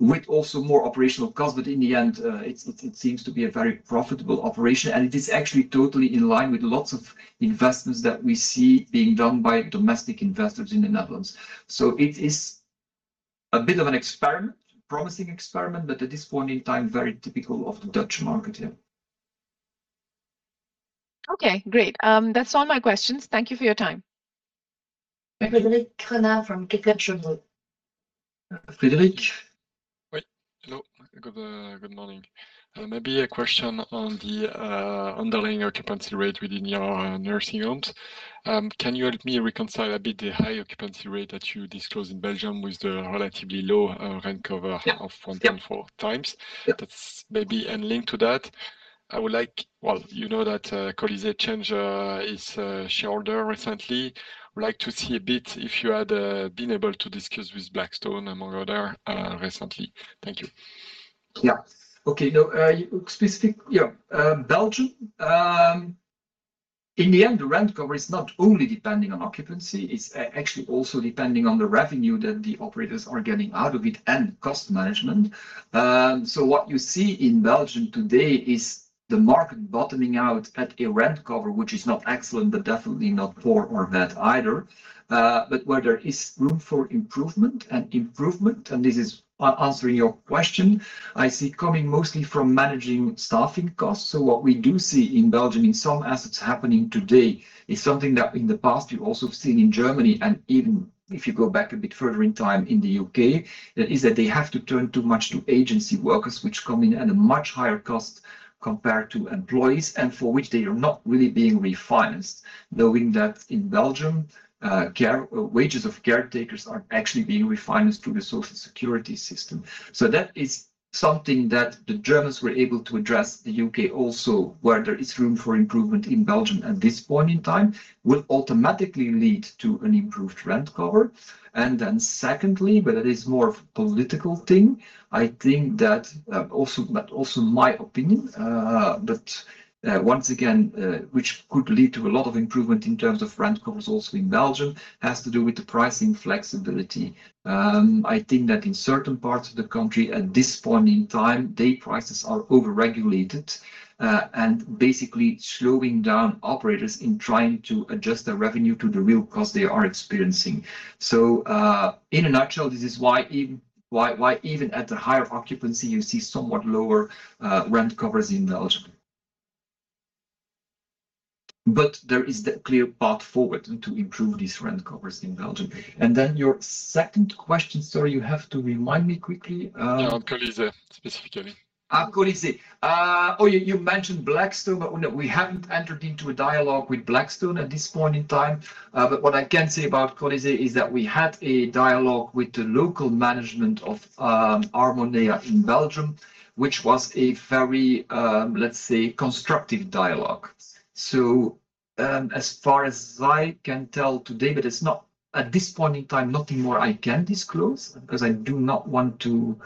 S1: with also more operational costs. But in the end, it seems to be a very profitable operation, and it is actually totally in line with lots of investments that we see being done by domestic investors in the Netherlands. So it is a bit of an experiment, promising experiment, but at this point in time, very typical of the Dutch market. Yeah.
S4: Okay, great. That's all my questions. Thank you for your time.
S1: Thank you.
S2: Frédéric Renard from Kepler Cheuvreux.
S1: Frédéric?
S5: Wait. Hello. Good morning. Maybe a question on the underlying occupancy rate within your nursing homes. Can you help me reconcile a bit the high occupancy rate that you disclose in Belgium with the relatively low rent cover-
S1: Yeah.
S5: - of 1.4x?
S1: Yeah.
S5: That's maybe and linked to that. I would like—well, you know that changed its shareholder recently. I would like to see a bit if you had been able to discuss with Blackstone, among others, recently. Thank you.
S1: Yeah. Okay, no, specific. Yeah, Belgium. In the end, the rent cover is not only depending on occupancy, it's actually also depending on the revenue that the operators are getting out of it and cost management. So what you see in Belgium today is the market bottoming out at a rent cover, which is not excellent, but definitely not poor or bad either. But where there is room for improvement, and improvement, and this is answering your question, I see coming mostly from managing staffing costs. So what we do see in Belgium, in some assets happening today, is something that in the past we've also seen in Germany, and even if you go back a bit further in time in the U.K., is that they have to turn too much to agency workers, which come in at a much higher cost compared to employees, and for which they are not really being refinanced. Knowng that in Belgium, wages of caretakers are actually being refinanced through the social security system. So that is something that the Germans were able to address, the U.K. also. Where there is room for improvement in Belgium at this point in time, will automatically lead to an improved rent cover. And then secondly, but it is more of a political thing, I think that also, but also my opinion, but once again, which could lead to a lot of improvement in terms of rent covers also in Belgium, has to do with the pricing flexibility. I think that in certain parts of the country, at this point in time, day prices are over-regulated and basically slowing down operators in trying to adjust their revenue to the real cost they are experiencing. So, in a nutshell, this is why even—why even at a higher occupancy, you see somewhat lower rent covers in Belgium. But there is the clear path forward to improve these rent covers in Belgium. And then your second question, sorry, you have to remind me quickly.
S5: Yeah, on Colisée specifically.
S1: Ah, Colisée. Oh, you mentioned Blackstone, but no, we haven't entered into a dialogue with Blackstone at this point in time. But what I can say about Colisée is that we had a dialogue with the local management of Armonea in Belgium, which was a very, let's say, constructive dialogue. So, as far as I can tell today, but it's not. At this point in time, nothing more I can disclose, because I do not want to,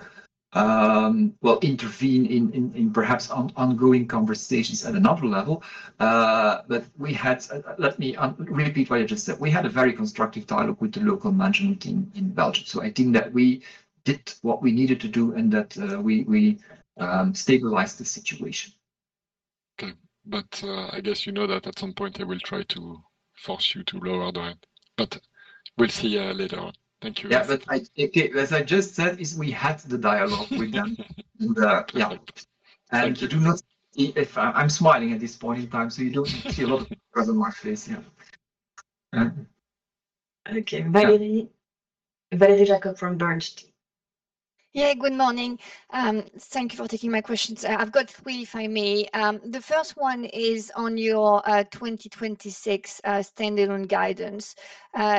S1: well, intervene in, in perhaps ongoing conversations at another level. But we had, let me repeat what I just said. We had a very constructive dialogue with the local management team in Belgium, so I think that we did what we needed to do and that we stabilized the situation.
S5: Okay. But, I guess you know that at some point I will try to force you to lower the rent, but we'll see, later on. Thank you.
S1: Yeah, but I. Okay, as I just said, is we had the dialogue with them. Yeah.
S5: Thank you.
S1: You do not, if - I'm smiling at this point in time, so you don't need to see a lot of problem on my face. Yeah.
S5: Mm-hmm.
S2: Okay. Valerie. Valerie Jacob from Bernstein.
S6: Yeah, good morning. Thank you for taking my questions. I've got three, if I may. The first one is on your 2026 standalone guidance.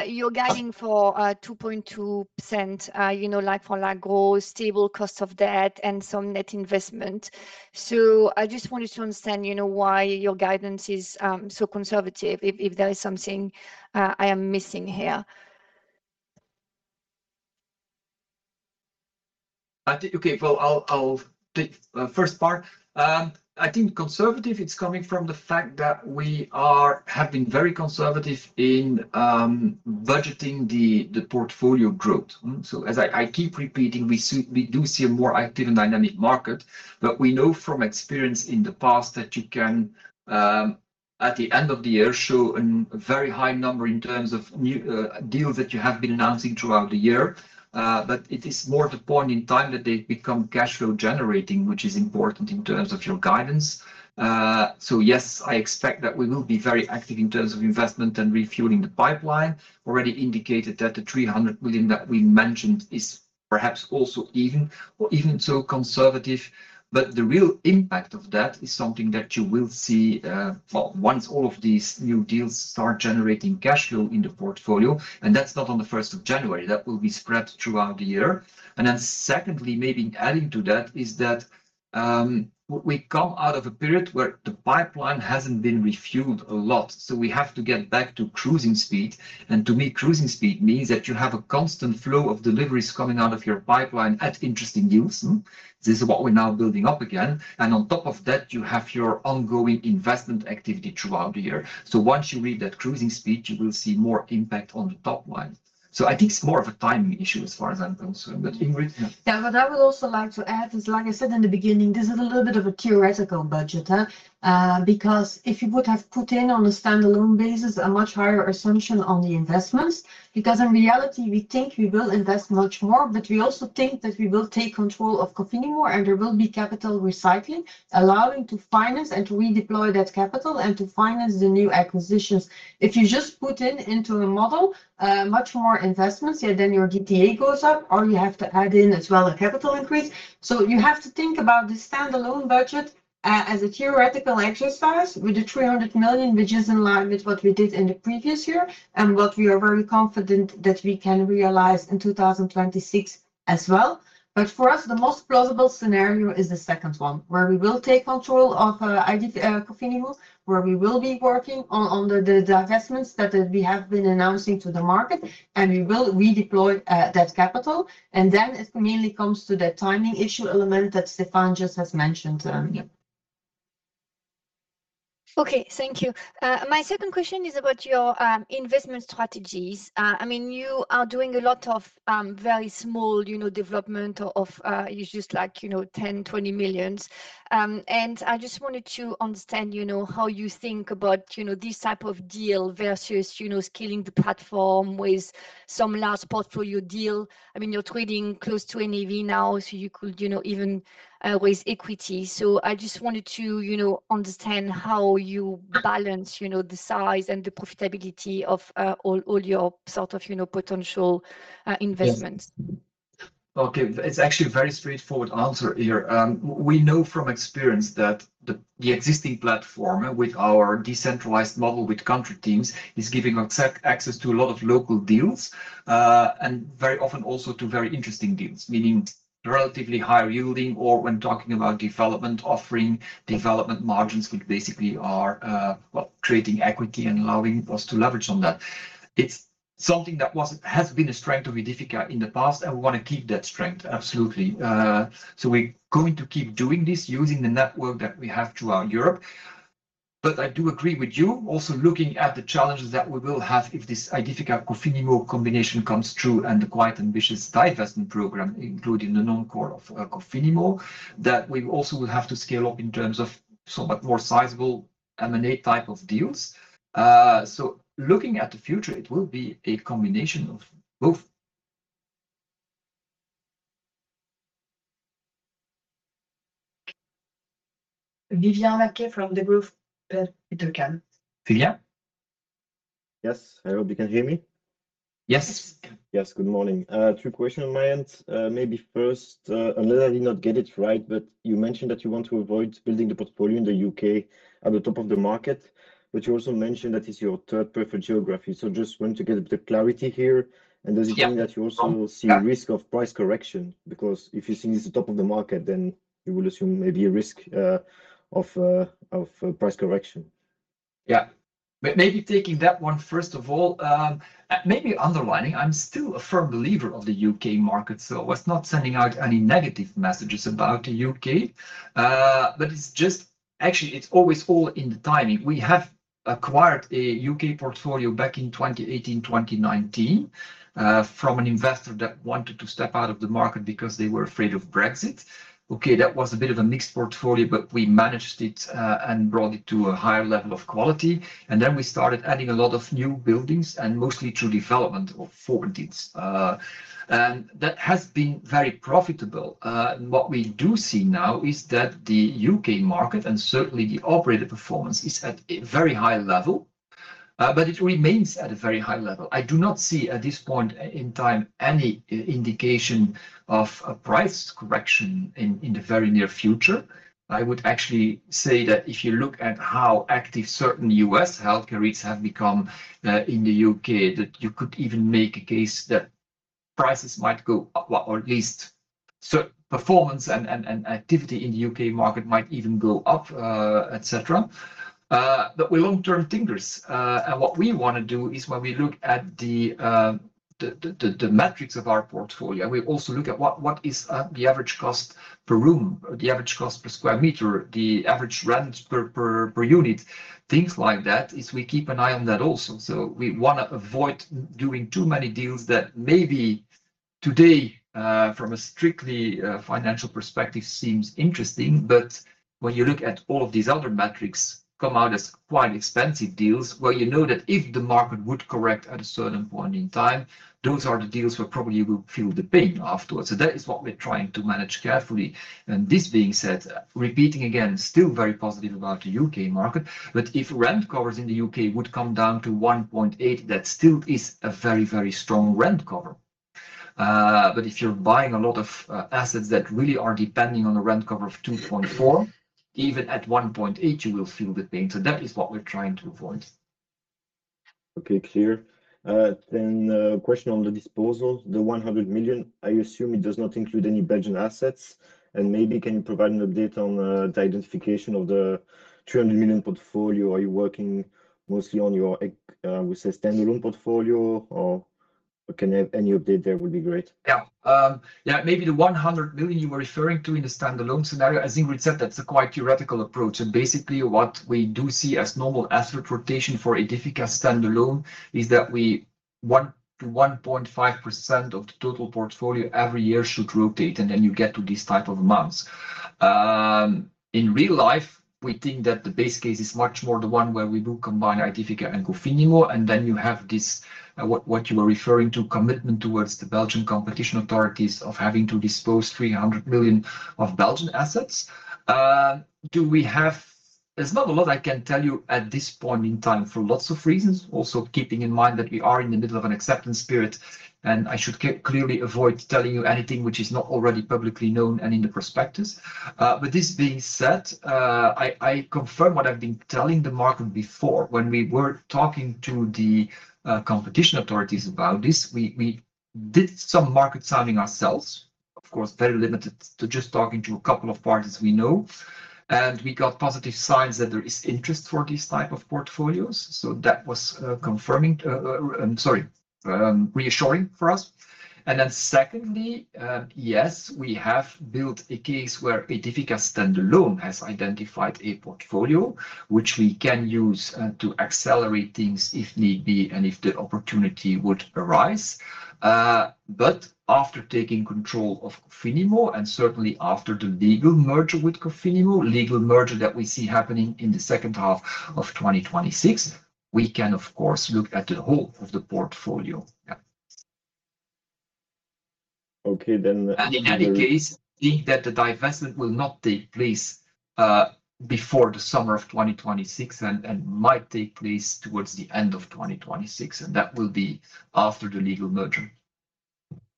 S6: You're guiding for 2.2%, you know, like-for-like growth, stable cost of debt, and some net investment. So I just wanted to understand, you know, why your guidance is so conservative, if there is something I am missing here.
S1: I think. Okay, well, I'll take the first part. I think conservative, it's coming from the fact that we have been very conservative in budgeting the portfolio growth. So as I keep repeating, we see, we do see a more active and dynamic market, but we know from experience in the past that you can, at the end of the year, show a very high number in terms of new deals that you have been announcing throughout the year. So yes, I expect that we will be very active in terms of investment and refueling the pipeline. Already indicated that the 300 million that we mentioned is perhaps also even, or even so conservative, but the real impact of that is something that you will see, well, once all of these new deals start generating cash flow in the portfolio, and that's not on the first of January, that will be spread throughout the year. And then secondly, maybe adding to that, is that, we come out of a period where the pipeline hasn't been refueled a lot, so we have to get back to cruising speed. And to me, cruising speed means that you have a constant flow of deliveries coming out of your pipeline at interesting deals. This is what we're now building up again. And on top of that, you have your ongoing investment activity throughout the year. So once you reach that cruising speed, you will see more impact on the top line. So I think it's more of a timing issue as far as I'm concerned. But Ingrid?
S2: Yeah, but I would also like to add, is like I said in the beginning, this is a little bit of a theoretical budget, because if you would have put in on a standalone basis, a much higher assumption on the investments, because in reality, we think we will invest much more, but we also think that we will take control of Cofinimmo, and there will be capital recycling, allowing to finance and to redeploy that capital and to finance the new acquisitions. If you just put in into a model, much more investments, then your DTA goes up, or you have to add in as well a capital increase. So you have to think about the standalone budget-... As a theoretical exercise, we do 300 million, which is in line with what we did in the previous year and what we are very confident that we can realize in 2026 as well. But for us, the most plausible scenario is the second one, where we will take control of Aedifica, Cofinimmo, where we will be working on the divestments that we have been announcing to the market, and we will redeploy that capital. And then it mainly comes to the timing issue element that Stefaan just has mentioned, yeah.
S6: Okay, thank you. My second question is about your investment strategies. I mean, you are doing a lot of very small, you know, development of you just like, you know, 10 million, 20 million. And I just wanted to understand, you know, how you think about, you know, this type of deal versus, you know, scaling the platform with some large portfolio deal. I mean, you're trading close to NAV now, so you could, you know, even raise equity. So I just wanted to, you know, understand how you balance, you know, the size and the profitability of, uh, all, all your sort of, you know, potential investments.
S1: Okay. It's actually a very straightforward answer here. We know from experience that the existing platform, with our decentralized model with country teams, is giving us access to a lot of local deals, and very often also to very interesting deals, meaning relatively higher yielding, or when talking about development, offering development margins, which basically are, well, creating equity and allowing us to leverage on that. It's something that has been a strength of Aedifica in the past, and we wanna keep that strength, absolutely. So we're going to keep doing this using the network that we have throughout Europe. But I do agree with you, also looking at the challenges that we will have if this Aedifica-Cofinimmo combination comes through, and the quite ambitious divestment program, including the non-core of Cofinimmo, that we also will have to scale up in terms of somewhat more sizable M&A type of deals. So looking at the future, it will be a combination of both.
S2: Vivien Maquet from Degroof Petercam.
S1: Vivien?
S7: Yes, I hope you can hear me.
S1: Yes.
S7: Yes, good morning. Two questions on my end. Maybe first, unless I did not get it right, but you mentioned that you want to avoid building the portfolio in the U.K. at the top of the market, but you also mentioned that is your third preferred geography. So just want to get a bit of clarity here.
S1: Yeah.
S7: And does it mean that you also will see risk of price correction? Because if you think it's the top of the market, then you will assume maybe a risk of price correction.
S1: Yeah. Maybe taking that one, first of all, maybe underlining, I'm still a firm believer of the U.K. market, so was not sending out any negative messages about the U.K. But it's just... Actually, it's always all in the timing. We have acquired a U.K. portfolio back in 2018, 2019, from an investor that wanted to step out of the market because they were afraid of Brexit. Okay, that was a bit of a mixed portfolio, but we managed it, and brought it to a higher level of quality. And then we started adding a lot of new buildings, and mostly through development of forward deals. And that has been very profitable. What we do see now is that the U.K. market, and certainly the operator performance, is at a very high level, but it remains at a very high level. I do not see, at this point in time, any indication of a price correction in the very near future. I would actually say that if you look at how active certain U.S. healthcare REITs have become in the U.K., that you could even make a case that prices might go up, or at least certain performance and activity in the U.K. market might even go up, et cetera. But we're long-term thinkers, and what we wanna do is, when we look at the metrics of our portfolio, we also look at what is the average cost per room, the average cost per square meter, the average rent per unit, things like that. We keep an eye on that also. So we wanna avoid doing too many deals that maybe today, from a strictly, financial perspective, seems interesting, but when you look at all of these other metrics, come out as quite expensive deals. Well, you know that if the market would correct at a certain point in time, those are the deals where probably you will feel the pain afterwards. So that is what we're trying to manage carefully. And this being said, repeating again, still very positive about the U.K. market, but if rent covers in the U.K. would come down to 1.8, that still is a very, very strong rent cover. But if you're buying a lot of, assets that really are depending on a rent cover of 2.4, even at 1.8, you will feel the pain. So that is what we're trying to avoid.
S7: Okay, clear. Then, question on the disposal, the 100 million, I assume it does not include any Belgian assets. Maybe can you provide an update on the identification of the 300 million portfolio? Are you working mostly on your, we say, standalone portfolio, or. Okay, any update there would be great.
S1: Yeah. Yeah, maybe the 100 million you were referring to in the standalone scenario, as Ingrid said, that's a quite theoretical approach. And basically, what we do see as normal asset rotation for a Aedifica standalone is that we, 1%-1.5% of the total portfolio every year should rotate, and then you get to these type of amounts. In real life, we think that the base case is much more the one where we do combine Aedifica and Cofinimmo, and then you have this, what you are referring to, commitment towards the Belgian competition authorities of having to dispose 300 million of Belgian assets. There's not a lot I can tell you at this point in time for lots of reasons. Also, keeping in mind that we are in the middle of an acceptance period, and I should clearly avoid telling you anything which is not already publicly known and in the prospectus. But this being said, I, I confirm what I've been telling the market before. When we were talking to the competition authorities about this, we, we did some market sounding ourselves, of course, very limited to just talking to a couple of parties we know, and we got positive signs that there is interest for these type of portfolios, so that was reassuring for us. And then secondly, yes, we have built a case where a difficult standalone has identified a portfolio which we can use to accelerate things if need be and if the opportunity would arise. But after taking control of Cofinimmo, and certainly after the legal merger with Cofinimmo, legal merger that we see happening in the second half of 2026, we can, of course, look at the whole of the portfolio.
S7: Okay, then-
S1: And in any case, think that the divestment will not take place before the summer of 2026 and might take place towards the end of 2026, and that will be after the legal merger.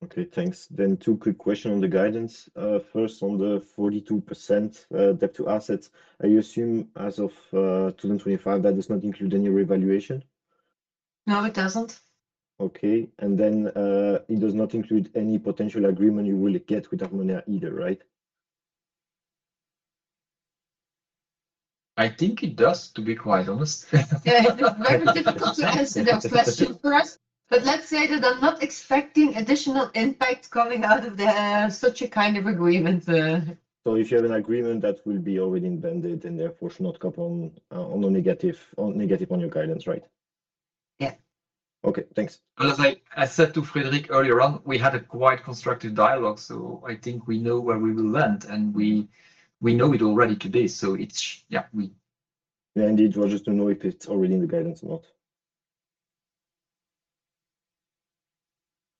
S7: Okay, thanks. Two quick question on the guidance. First, on the 42%, debt to assets, are you assume as of 2025, that does not include any revaluation?
S2: No, it doesn't.
S7: Okay. And then, it does not include any potential agreement you will get with Armonea either, right?
S1: I think it does, to be quite honest.
S2: Yeah, it is very difficult to answer that question for us, but let's say that I'm not expecting additional impact coming out of the, such a kind of agreement.
S7: So if you have an agreement, that will be already invested and therefore should not come on a negative on your guidance, right?
S2: Yeah.
S7: Okay, thanks.
S1: But as I said to Frédéric earlier on, we had a quite constructive dialogue, so I think we know where we will land, and we know it already today, so it's. Yeah, we-
S7: Yeah, indeed. Well, just to know if it's already in the guidance or not.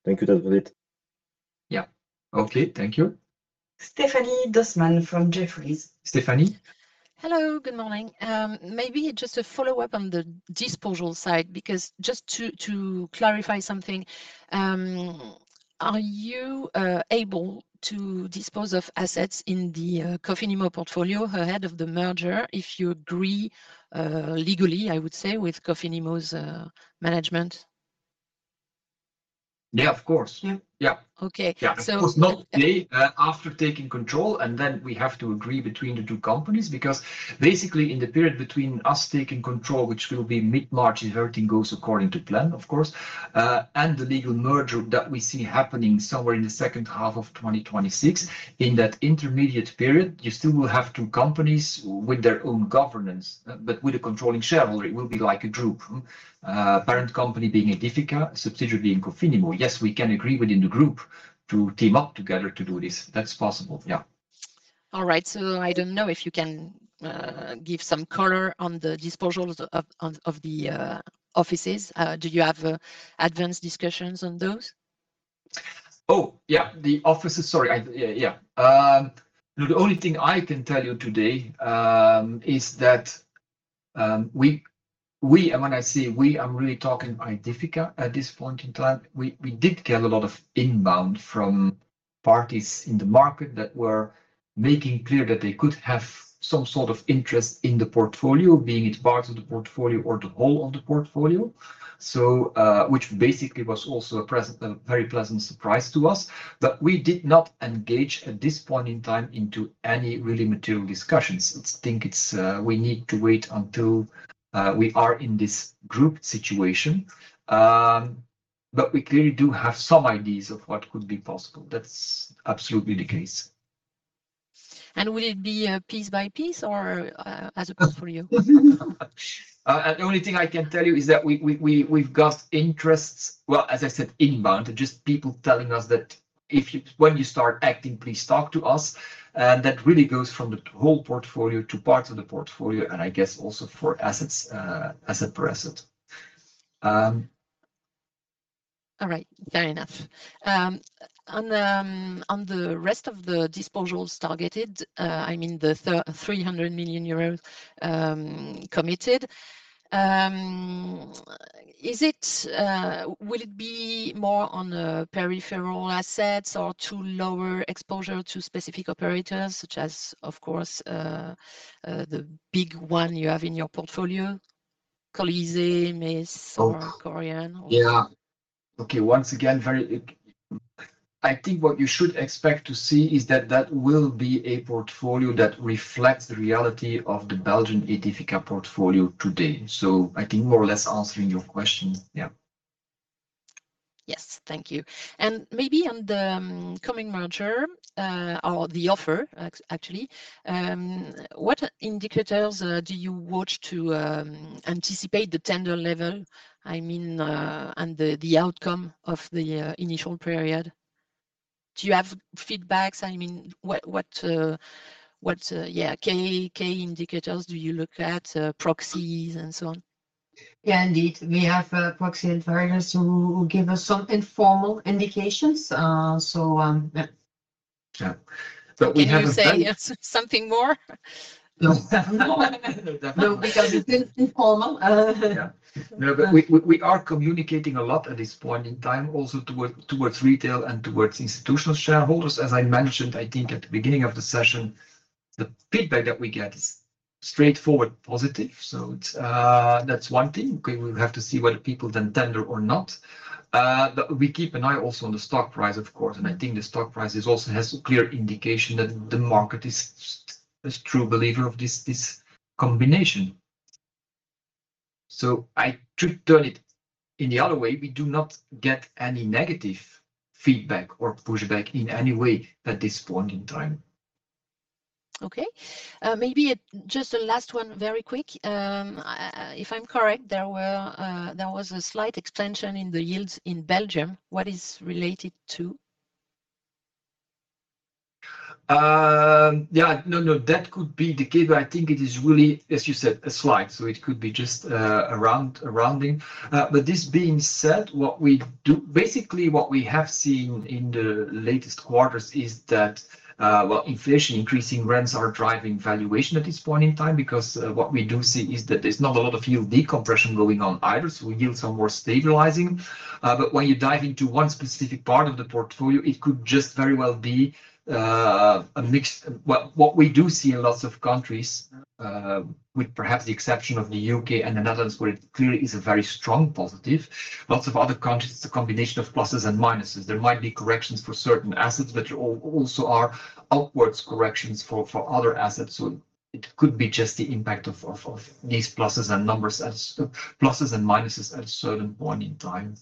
S7: Thank you, that's great.
S1: Yeah.
S7: Okay, thank you.
S2: Stéphanie Dossmann from Jefferies.
S1: Stephanie?
S8: Hello, good morning. Maybe just a follow-up on the disposal side, because just to clarify something, are you able to dispose of assets in the Cofinimmo portfolio ahead of the merger, if you agree legally, I would say, with Cofinimmo's management?
S1: Yeah, of course.
S8: Yeah.
S1: Yeah.
S8: Okay, so-
S1: Yeah. Of course, not today, after taking control, and then we have to agree between the two companies, because basically, in the period between us taking control, which will be mid-March, if everything goes according to plan, of course, and the legal merger that we see happening somewhere in the second half of 2026, in that intermediate period, you still will have two companies with their own governance, but with a controlling shareholder, it will be like a group. Parent company being Aedifica, subsidiary being Cofinimmo. Yes, we can agree within the group to team up together to do this. That's possible, yeah.
S8: All right, so I don't know if you can give some color on the disposals of the offices. Do you have advanced discussions on those?
S1: Oh, yeah, the offices. Sorry, I. Yeah, yeah. Look, the only thing I can tell you today is that we, and when I say we, I'm really talking about Aedifica at this point in time. We did get a lot of inbound from parties in the market that were making clear that they could have some sort of interest in the portfolio, being it part of the portfolio or the whole of the portfolio. So, which basically was also a very pleasant surprise to us, but we did not engage, at this point in time, into any really material discussions. I think it's we need to wait until we are in this group situation. But we clearly do have some ideas of what could be possible. That's absolutely the case.
S8: Will it be piece by piece or as a portfolio?
S1: The only thing I can tell you is that we've got interests, well, as I said, inbound, just people telling us that if you—when you start acting, please talk to us. And that really goes from the whole portfolio to parts of the portfolio, and I guess also for assets, asset per asset.
S8: All right, fair enough. On the rest of the disposals targeted, I mean, the 300 million euros committed, is it, will it be more on peripheral assets or to lower exposure to specific operators, such as, of course, the big one you have in your portfolio, Colisée, Emeis or Korian?
S1: Yeah. Okay, once again, very, I think what you should expect to see is that that will be a portfolio that reflects the reality of the Belgian Aedifica portfolio today. So I think more or less answering your question, yeah.
S8: Yes. Thank you. And maybe on the coming merger or the offer, actually, what indicators do you watch to anticipate the tender level? I mean, and the outcome of the initial period. Do you have feedbacks? I mean, what, yeah, key indicators do you look at, proxies and so on?
S2: Yeah, indeed. We have proxy advisors who give us some informal indications. So, yeah.
S1: Yeah. But we have-
S8: Can you say, yes, something more?
S1: No.
S8: No, because it is informal.
S1: Yeah. No, but we are communicating a lot at this point in time, also toward retail and toward institutional shareholders. As I mentioned, I think at the beginning of the session, the feedback that we get is straightforward, positive. So it's that’s one thing. We will have to see whether people then tender or not. But we keep an eye also on the stock price, of course, and I think the stock price is also has a clear indication that the market is a true believer of this combination. So I should turn it in the other way. We do not get any negative feedback or pushback in any way at this point in time.
S8: Okay. Maybe just a last one, very quick. If I'm correct, there were, there was a slight extension in the yields in Belgium. What is related to?
S1: Yeah. No, no, that could be the case, but I think it is really, as you said, a slight, so it could be just a round, a rounding. But this being said, what we do. Basically, what we have seen in the latest quarters is that, well, inflation, increasing rents are driving valuation at this point in time, because what we do see is that there's not a lot of yield decompression going on either. So yields are more stabilizing. But when you dive into one specific part of the portfolio, it could just very well be a mix. Well, what we do see in lots of countries, with perhaps the exception of the U.K. and the Netherlands, where it clearly is a very strong positive, lots of other countries, it's a combination of pluses and minuses. There might be corrections for certain assets, but also are upwards corrections for other assets. So it could be just the impact of these pluses and minuses at a certain point in time.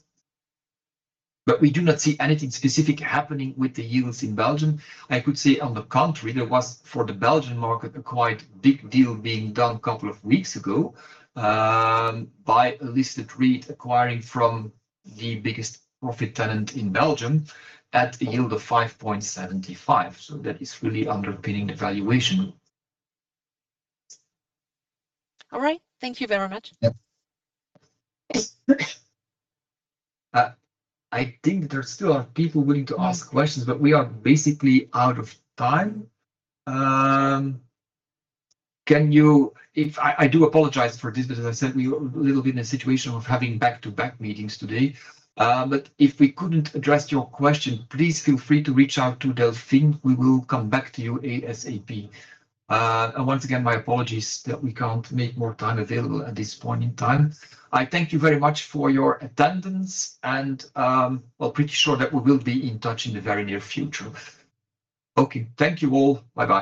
S1: But we do not see anything specific happening with the yields in Belgium. I could say, on the contrary, there was, for the Belgian market, a quite big deal being done a couple of weeks ago by a listed REIT acquiring from the biggest private tenant in Belgium at a yield of 5.75%. So that is really underpinning the valuation.
S8: All right. Thank you very much.
S1: Yep. I think that there still are people willing to ask questions, but we are basically out of time. I do apologize for this, but as I said, we're a little bit in a situation of having back-to-back meetings today. But if we couldn't address your question, please feel free to reach tut to Delphine. We will come back to you ASAP. And once again, my apologies that we can't make more time available at this point in time. I thank you very much for your attendance and, well, pretty sure that we will be in touch in the very near future. Okay. Thank you all. Bye-bye.